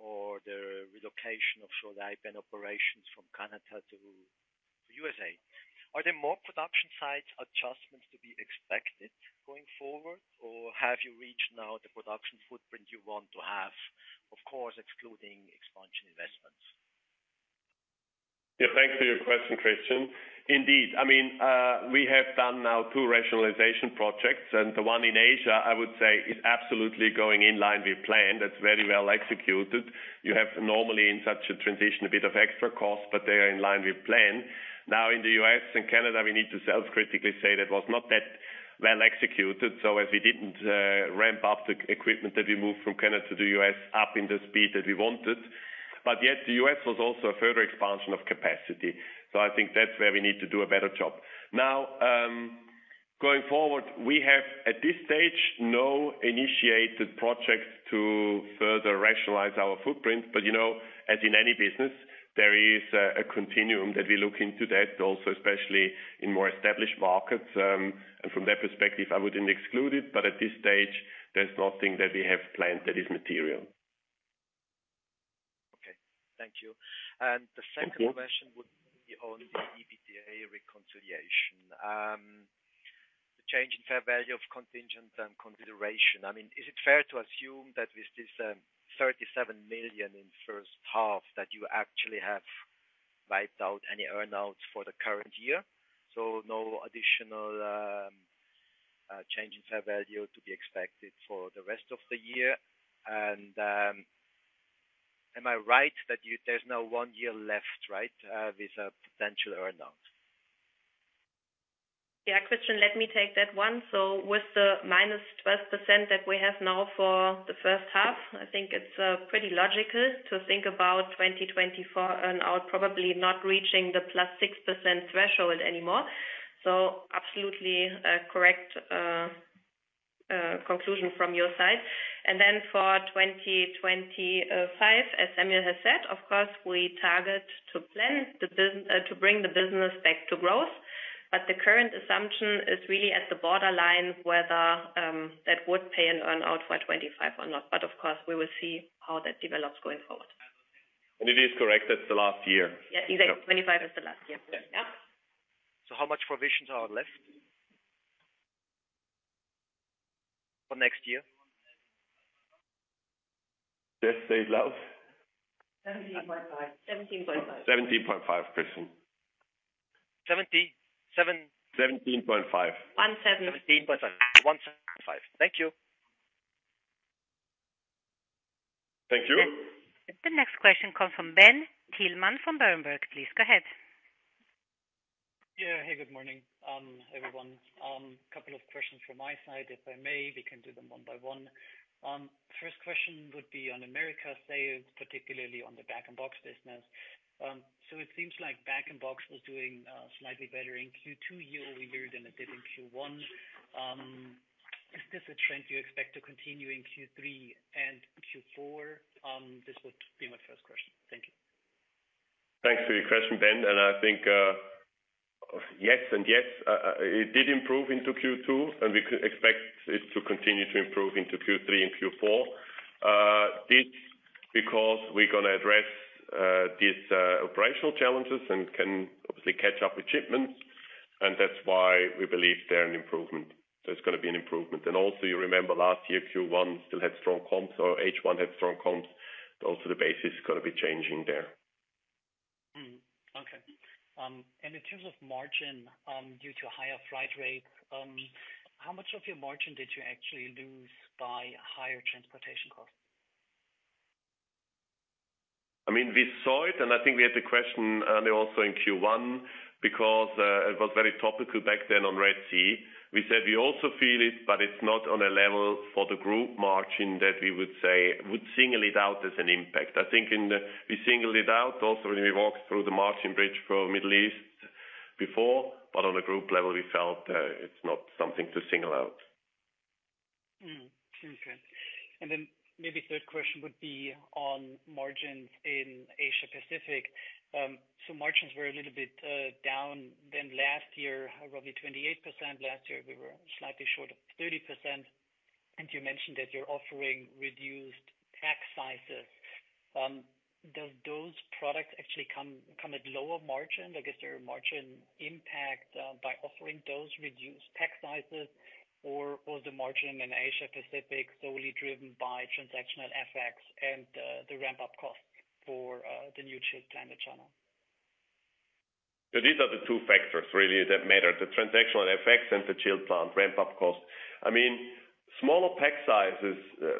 or the relocation of Scholle IPN operations from Canada to the USA. Are there more production sites adjustments to be expected going forward, or have you reached now the production footprint you want to have, of course, excluding expansion investments? Yeah, thanks for your question, Christian. Indeed. I mean, we have done now two rationalization projects, and the one in Asia, I would say, is absolutely going in line with plan. That's very well executed. You have normally in such a transition a bit of extra cost, but they are in line with plan. Now, in the US and Canada, we need to self-critically say that was not that well executed. So as we didn't ramp up the equipment that we moved from Canada to the US up in the speed that we wanted. But yet, the US was also a further expansion of capacity. So I think that's where we need to do a better job. Now, going forward, we have at this stage no initiated projects to further rationalize our footprint. But as in any business, there is a continuum that we look into that also, especially in more established markets. And from that perspective, I wouldn't exclude it, but at this stage, there's nothing that we have planned that is material. Okay. Thank you. And the second question would be on the EBITDA reconciliation. The change in fair value of contingent consideration. I mean, is it fair to assume that with this 37 million in first half that you actually have wiped out any earnouts for the current year? So no additional change in fair value to be expected for the rest of the year. And am I right that there's now one year left, right, with a potential earnout? Yeah, Christian, let me take that one. So with the -12% that we have now for the first half, I think it's pretty logical to think about 2024 earnout probably not reaching the +6% threshold anymore. So absolutely correct conclusion from your side. And then for 2025, as Samuel has said, of course, we target to bring the business back to growth. But the current assumption is really at the borderline whether that would pay an earnout for 2025 or not. But of course, we will see how that develops going forward. It is correct that it's the last year. Yeah, exactly. 2025 is the last year. Yeah. How much provisions are left for next year? Just say it loud. 17.5. 17.5. 17.5, Christian. 70. 7. 17.5. 17.5. 17.5. Thank you. Thank you. The next question comes from Ben Thielmann from Berenberg. Please go ahead. Yeah. Hey, good morning, everyone. A couple of questions from my side, if I may, we can do them one by one. First question would be on America sales, particularly on the bag-in-box business. So it seems like bag-in-box was doing slightly better in Q2 year-over-year than it did in Q1. Is this a trend you expect to continue in Q3 and Q4? This would be my first question. Thank you. Thanks for your question, Ben. And I think yes and yes. It did improve into Q2, and we can expect it to continue to improve into Q3 and Q4. This is because we're going to address these operational challenges and can obviously catch up achievements. And that's why we believe there's an improvement. There's going to be an improvement. And also, you remember last year Q1 still had strong comps, or H1 had strong comps. Also, the basis is going to be changing there. Okay. In terms of margin, due to higher freight rates, how much of your margin did you actually lose by higher transportation costs? I mean, we saw it, and I think we had the question also in Q1 because it was very topical back then on Red Sea. We said we also feel it, but it's not on a level for the group margin that we would say would single it out as an impact. I think we single it out also when we walked through the margin bridge for Middle East before, but on a group level, we felt it's not something to single out. Okay. And then maybe third question would be on margins in Asia-Pacific. So margins were a little bit down than last year, roughly 28%. Last year, we were slightly short of 30%. And you mentioned that you're offering reduced pack sizes. Does those products actually come at lower margin? I guess their margin impact by offering those reduced pack sizes or was the margin in Asia-Pacific solely driven by transactional FX and the ramp-up costs for the new chilled plant in China? These are the two factors really that matter: the transactional FX and the chilled plant ramp-up cost. I mean, smaller pack sizes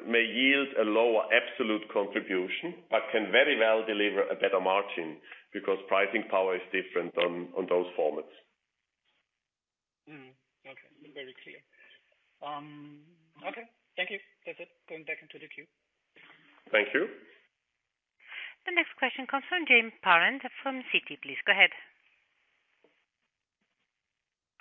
may yield a lower absolute contribution, but can very well deliver a better margin because pricing power is different on those formats. Okay. Very clear. Okay. Thank you. That's it. Going back into the queue. Thank you. The next question comes from James Perry from Citi, please. Go ahead.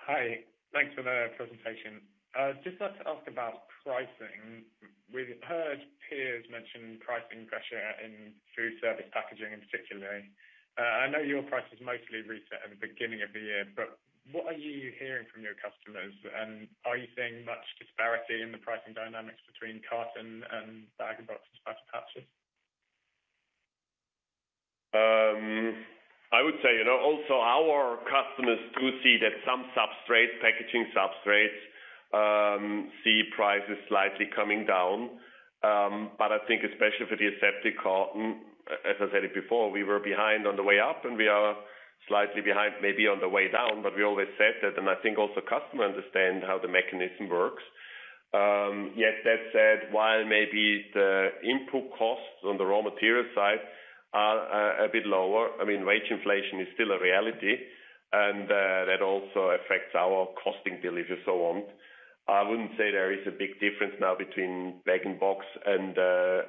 Hi. Thanks for the presentation. I'd just like to ask about pricing. We've heard peers mention pricing pressure in food service packaging in particular. I know your prices mostly reset at the beginning of the year, but what are you hearing from your customers? Are you seeing much disparity in the pricing dynamics between carton and bag-in-box and spouted pouches? I would say also our customers do see that some substrates, packaging substrates, see prices slightly coming down. But I think especially for the aseptic carton, as I said it before, we were behind on the way up, and we are slightly behind maybe on the way down, but we always said that. And I think also customers understand how the mechanism works. Yet that said, while maybe the input costs on the raw material side are a bit lower, I mean, wage inflation is still a reality, and that also affects our costing delivery so on. I wouldn't say there is a big difference now between bag-in-box and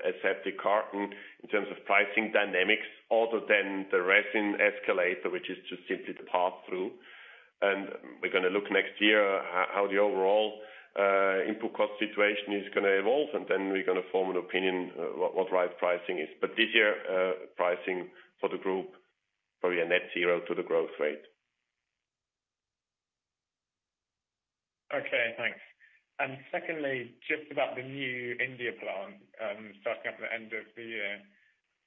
aseptic carton in terms of pricing dynamics, other than the resin escalator, which is just simply the pass-through. We're going to look next year how the overall input cost situation is going to evolve, and then we're going to form an opinion what right pricing is. This year, pricing for the group is probably a net zero to the growth rate. Okay. Thanks. And secondly, just about the new India plant starting up at the end of the year.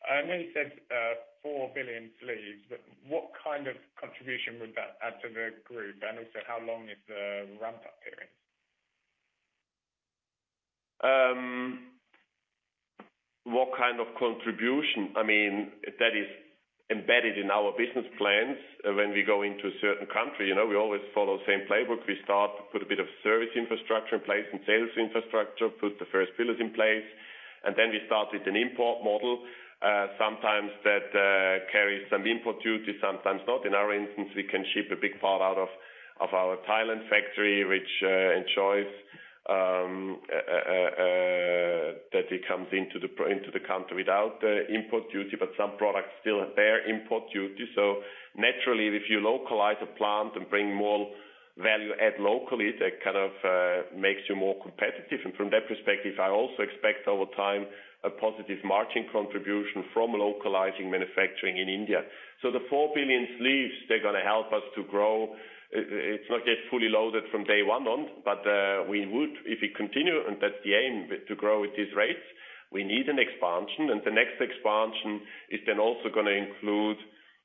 I know you said 4 billion sleeves, but what kind of contribution would that add to the group? And also, how long is the ramp-up period? What kind of contribution? I mean, that is embedded in our business plans when we go into a certain country. We always follow the same playbook. We start to put a bit of service infrastructure in place and sales infrastructure, put the first pillars in place, and then we start with an import model. Sometimes that carries some import duties, sometimes not. In our instance, we can ship a big part out of our Thailand factory, which ensures that it comes into the country without the import duty, but some products still have their import duties. So naturally, if you localize a plant and bring more value-add locally, that kind of makes you more competitive. And from that perspective, I also expect over time a positive margin contribution from localizing manufacturing in India. So the 4 billion sleeves, they're going to help us to grow. It's not yet fully loaded from day one on, but we would, if we continue, and that's the aim to grow at these rates, we need an expansion. The next expansion is then also going to include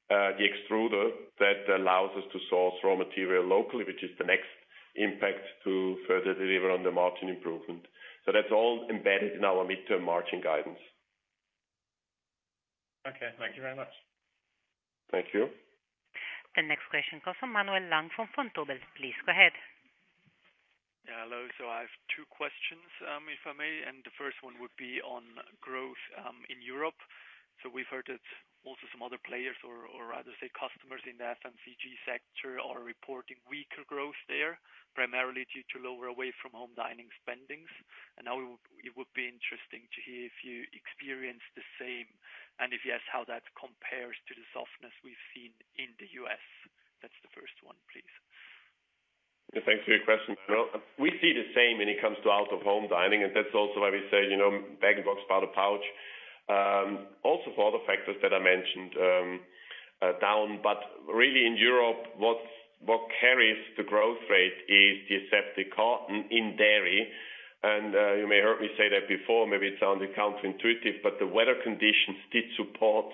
the extruder that allows us to source raw material locally, which is the next impact to further deliver on the margin improvement. That's all embedded in our midterm margin guidance. Okay. Thank you very much. Thank you. The next question comes from Manuel Lang from Vontobel, please. Go ahead. Yeah. Hello. So I have two questions, if I may. And the first one would be on growth in Europe. So we've heard that also some other players, or rather say customers in the FMCG sector, are reporting weaker growth there, primarily due to lower away-from-home dining spendings. And now it would be interesting to hear if you experience the same, and if yes, how that compares to the softness we've seen in the US. That's the first one, please. Yeah. Thanks for your question, Manuel. We see the same when it comes to out-of-home dining, and that's also why we say bag-in-box, spouted pouch. Also for other factors that I mentioned down. But really in Europe, what carries the growth rate is the aseptic carton in dairy. And you may have heard me say that before. Maybe it sounded counterintuitive, but the weather conditions did support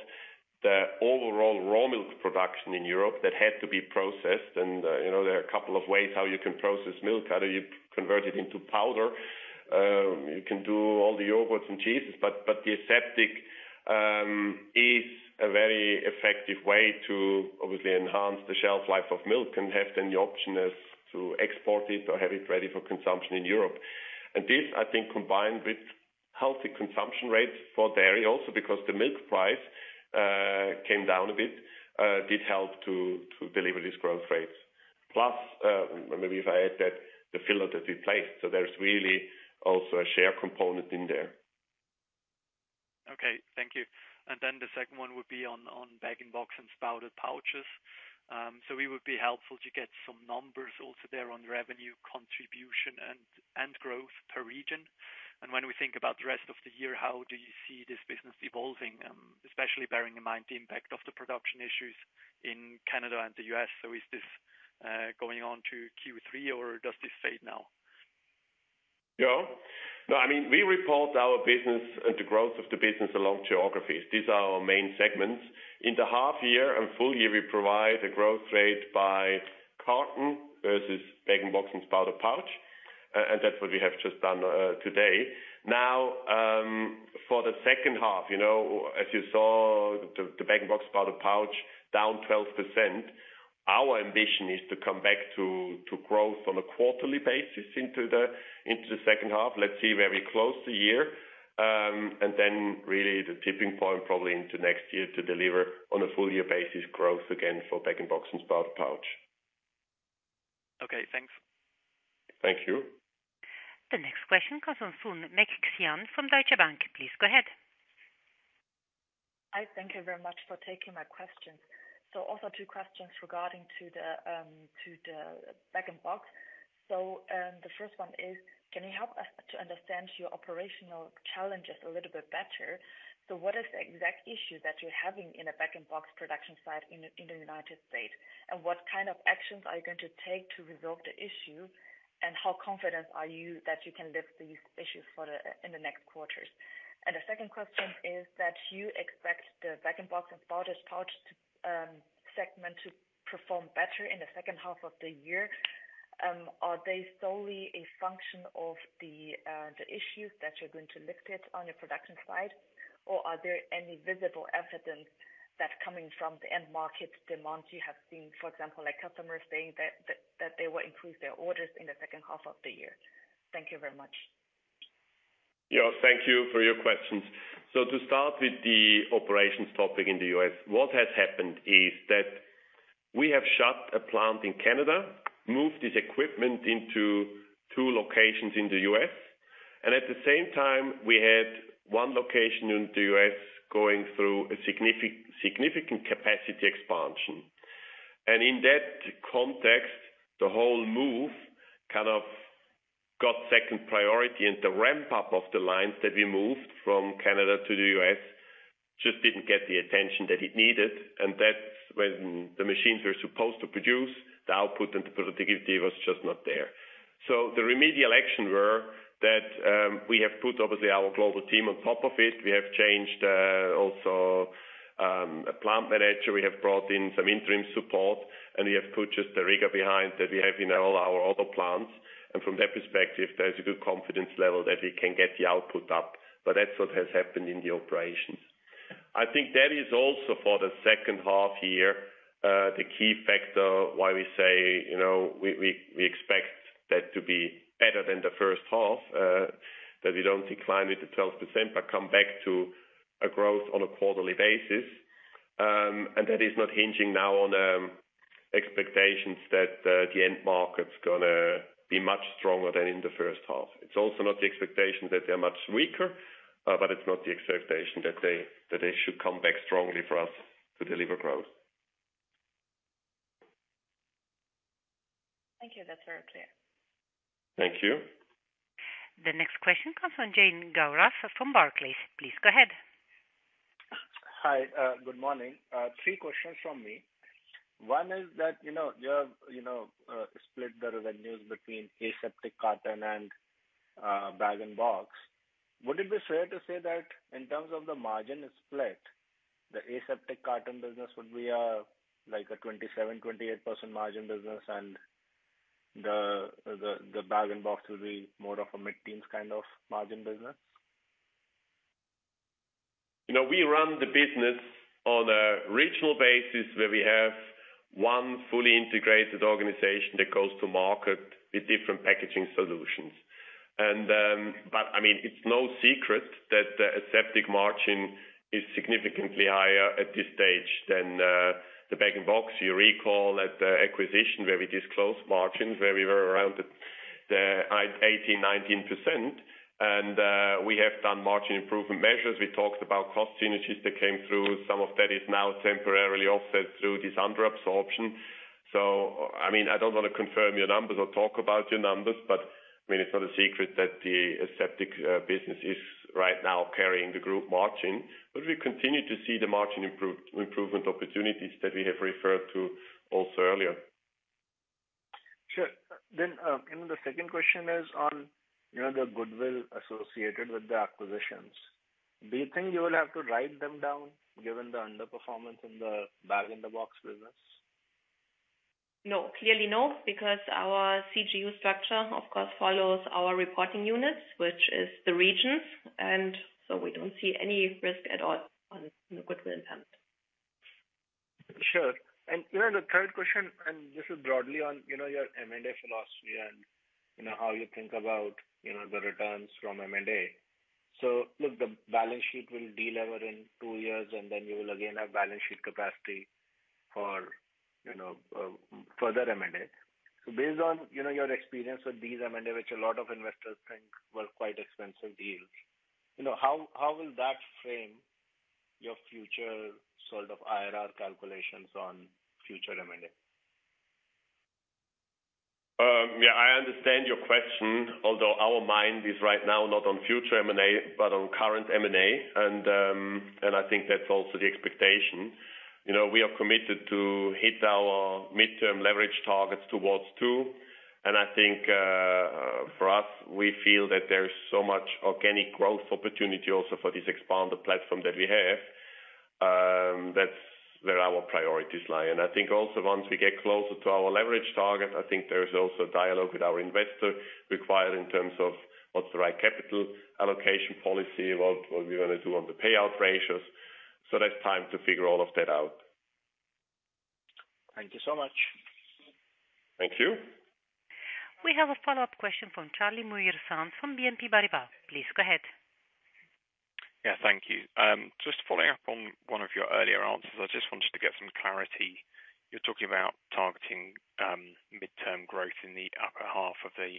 the overall raw milk production in Europe that had to be processed. And there are a couple of ways how you can process milk. Either you convert it into powder. You can do all the yogurts and cheeses. But the aseptic is a very effective way to obviously enhance the shelf life of milk and have then the option to export it or have it ready for consumption in Europe. This, I think, combined with healthy consumption rates for dairy also because the milk price came down a bit, did help to deliver these growth rates. Plus, maybe if I add that the filler that we placed, so there's really also a share component in there. Okay. Thank you. And then the second one would be on bag-in-box and spouted pouches. So we would be helpful to get some numbers also there on revenue contribution and growth per region. And when we think about the rest of the year, how do you see this business evolving, especially bearing in mind the impact of the production issues in Canada and the U.S.? So is this going on to Q3, or does this fade now? Yeah. No, I mean, we report our business and the growth of the business along geographies. These are our main segments. In the half year and full year, we provide a growth rate by carton versus bag-in-box and spouted pouch. And that's what we have just done today. Now, for the second half, as you saw, the bag-in-box, spouted pouch down 12%. Our ambition is to come back to growth on a quarterly basis into the second half. Let's see where we close the year. And then really the tipping point probably into next year to deliver on a full year basis growth again for bag-in-box and spouted pouch. Okay. Thanks. Thank you. The next question comes from Sun Mekxian from Deutsche Bank, please. Go ahead. Hi. Thank you very much for taking my questions. So also two questions regarding to the bag-in-box. So the first one is, can you help us to understand your operational challenges a little bit better? So what is the exact issue that you're having in a bag-in-box production site in the United States? And what kind of actions are you going to take to resolve the issue? And how confident are you that you can lift these issues in the next quarters? And the second question is that you expect the bag-in-box and spouted pouch segment to perform better in the second half of the year. Are they solely a function of the issues that you're going to lift it on your production side? Or are there any visible evidence that coming from the end market demand you have seen, for example, like customers saying that they will increase their orders in the second half of the year? Thank you very much. Yeah. Thank you for your questions. So to start with the operations topic in the U.S., what has happened is that we have shut a plant in Canada, moved this equipment into two locations in the U.S. At the same time, we had one location in the U.S. going through a significant capacity expansion. In that context, the whole move kind of got second priority. The ramp-up of the lines that we moved from Canada to the U.S. just didn't get the attention that it needed. That's when the machines were supposed to produce. The output and the productivity was just not there. The remedial action was that we have put, obviously, our global team on top of it. We have changed also a plant manager. We have brought in some interim support, and we have put just the rigor behind that we have in all our other plants. And from that perspective, there's a good confidence level that we can get the output up. But that's what has happened in the operations. I think that is also for the second half year, the key factor why we say we expect that to be better than the first half, that we don't decline with the 12%, but come back to a growth on a quarterly basis. And that is not hinging now on expectations that the end market's going to be much stronger than in the first half. It's also not the expectation that they're much weaker, but it's not the expectation that they should come back strongly for us to deliver growth. Thank you. That's very clear. Thank you. The next question comes from Jain Gaurav from Barclays. Please go ahead. Hi. Good morning. 3 questions from me. One is that you have split the revenues between aseptic carton and bag-in-box. Would it be fair to say that in terms of the margin split, the aseptic carton business would be like a 27%-28% margin business, and the bag-in-box would be more of a mid-teens kind of margin business? We run the business on a regional basis where we have one fully integrated organization that goes to market with different packaging solutions. But I mean, it's no secret that the aseptic margin is significantly higher at this stage than the bag-in-box. You recall at the acquisition where we disclosed margins where we were around 18%-19%. And we have done margin improvement measures. We talked about cost synergies that came through. Some of that is now temporarily offset through this under-absorption. So I mean, I don't want to confirm your numbers or talk about your numbers, but I mean, it's not a secret that the aseptic business is right now carrying the group margin. But we continue to see the margin improvement opportunities that we have referred to also earlier. Sure. Then the second question is on the goodwill associated with the acquisitions. Do you think you will have to write them down given the underperformance in the bag-in-box business? No. Clearly no, because our CGU structure, of course, follows our reporting units, which is the regions. And so we don't see any risk at all on the goodwill impact. Sure. And the third question, and this is broadly on your M&A philosophy and how you think about the returns from M&A. So look, the balance sheet will de-lever in two years, and then you will again have balance sheet capacity for further M&A. So based on your experience with these M&A, which a lot of investors think were quite expensive deals, how will that frame your future sort of IRR calculations on future M&A? Yeah. I understand your question, although our mind is right now not on future M&A, but on current M&A. I think that's also the expectation. We are committed to hit our midterm leverage targets towards 2. I think for us, we feel that there's so much organic growth opportunity also for this expanded platform that we have. That's where our priorities lie. I think also once we get closer to our leverage target, I think there's also a dialogue with our investor required in terms of what's the right capital allocation policy, what we're going to do on the payout ratios. So there's time to figure all of that out. Thank you so much. Thank you. We have a follow-up question from Charlie Muir-Sands from BNP Paribas. Please go ahead. Yeah. Thank you. Just following up on one of your earlier answers, I just wanted to get some clarity. You're talking about targeting midterm growth in the upper half of the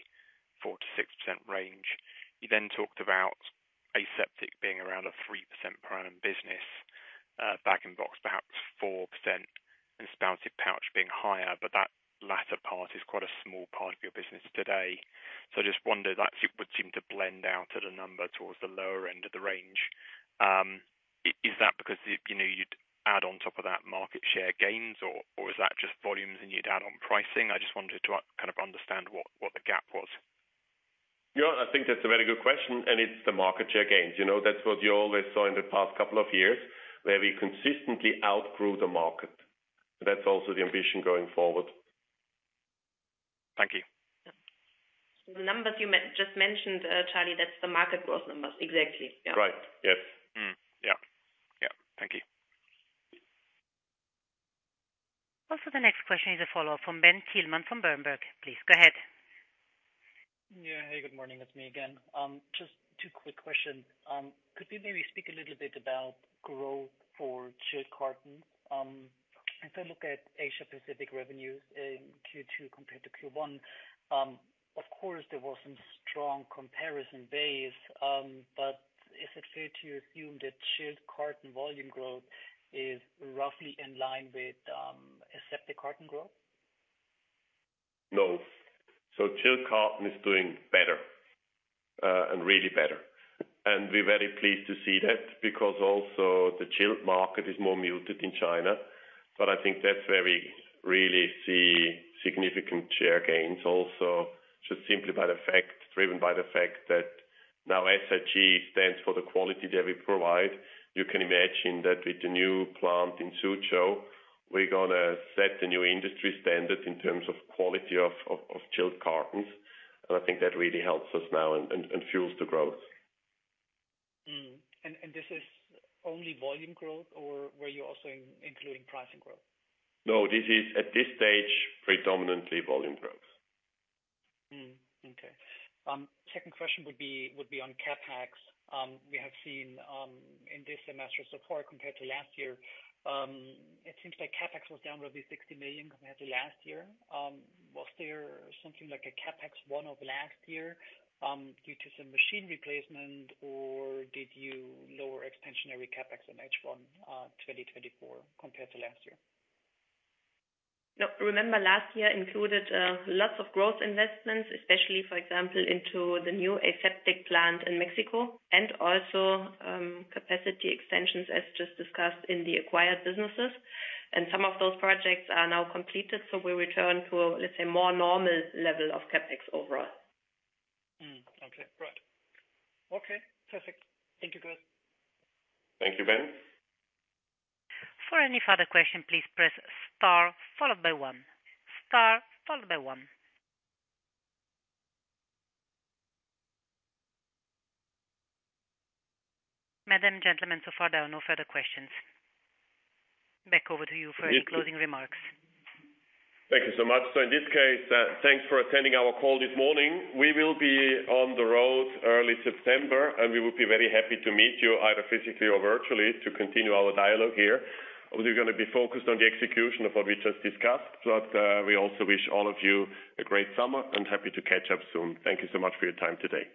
4%-6% range. You then talked about aseptic being around a 3% per annum business, bag-in-box perhaps 4%, and spouted pouch being higher. But that latter part is quite a small part of your business today. So I just wonder that it would seem to blend out at a number towards the lower end of the range. Is that because you'd add on top of that market share gains, or is that just volumes and you'd add on pricing? I just wanted to kind of understand what the gap was. Yeah. I think that's a very good question. It's the market share gains. That's what you always saw in the past couple of years where we consistently outgrew the market. That's also the ambition going forward. Thank you. So the numbers you just mentioned, Charlie, that's the market growth numbers. Exactly. Yeah. Right. Yes. Yeah. Yeah. Thank you. Also, the next question is a follow-up from Ben Thielmann from Berenberg, please. Go ahead. Yeah. Hey. Good morning. It's me again. Just two quick questions. Could we maybe speak a little bit about growth for chilled cartons? If I look at Asia-Pacific revenues in Q2 compared to Q1, of course, there was some strong comparison base. But is it fair to assume that chilled carton volume growth is roughly in line with aseptic carton growth? No. So chilled carton is doing better and really better. And we're very pleased to see that because also the chilled market is more muted in China. But I think that's where we really see significant share gains also just simply by the fact, driven by the fact that now SIG stands for the quality that we provide. You can imagine that with the new plant in Suzhou, we're going to set the new industry standard in terms of quality of chilled cartons. And I think that really helps us now and fuels the growth. This is only volume growth, or were you also including pricing growth? No. This is, at this stage, predominantly volume growth. Okay. Second question would be on CapEx. We have seen in this semester so far compared to last year, it seems like CapEx was down roughly 60 million compared to last year. Was there something like a CapEx one of last year due to some machine replacement, or did you lower expansionary CapEx on H1 2024 compared to last year? No. Remember, last year included lots of growth investments, especially, for example, into the new aseptic plant in Mexico and also capacity extensions as just discussed in the acquired businesses. Some of those projects are now completed. We returned to, let's say, a more normal level of CapEx overall. Okay. Right. Okay. Perfect. Thank you, guys. Thank you, Ben. For any further question, please press star followed by one. Star followed by one. Madam, gentlemen, so far there are no further questions. Back over to you for any closing remarks. Thank you so much. In this case, thanks for attending our call this morning. We will be on the road early September, and we would be very happy to meet you either physically or virtually to continue our dialogue here. We're going to be focused on the execution of what we just discussed. We also wish all of you a great summer and happy to catch up soon. Thank you so much for your time today.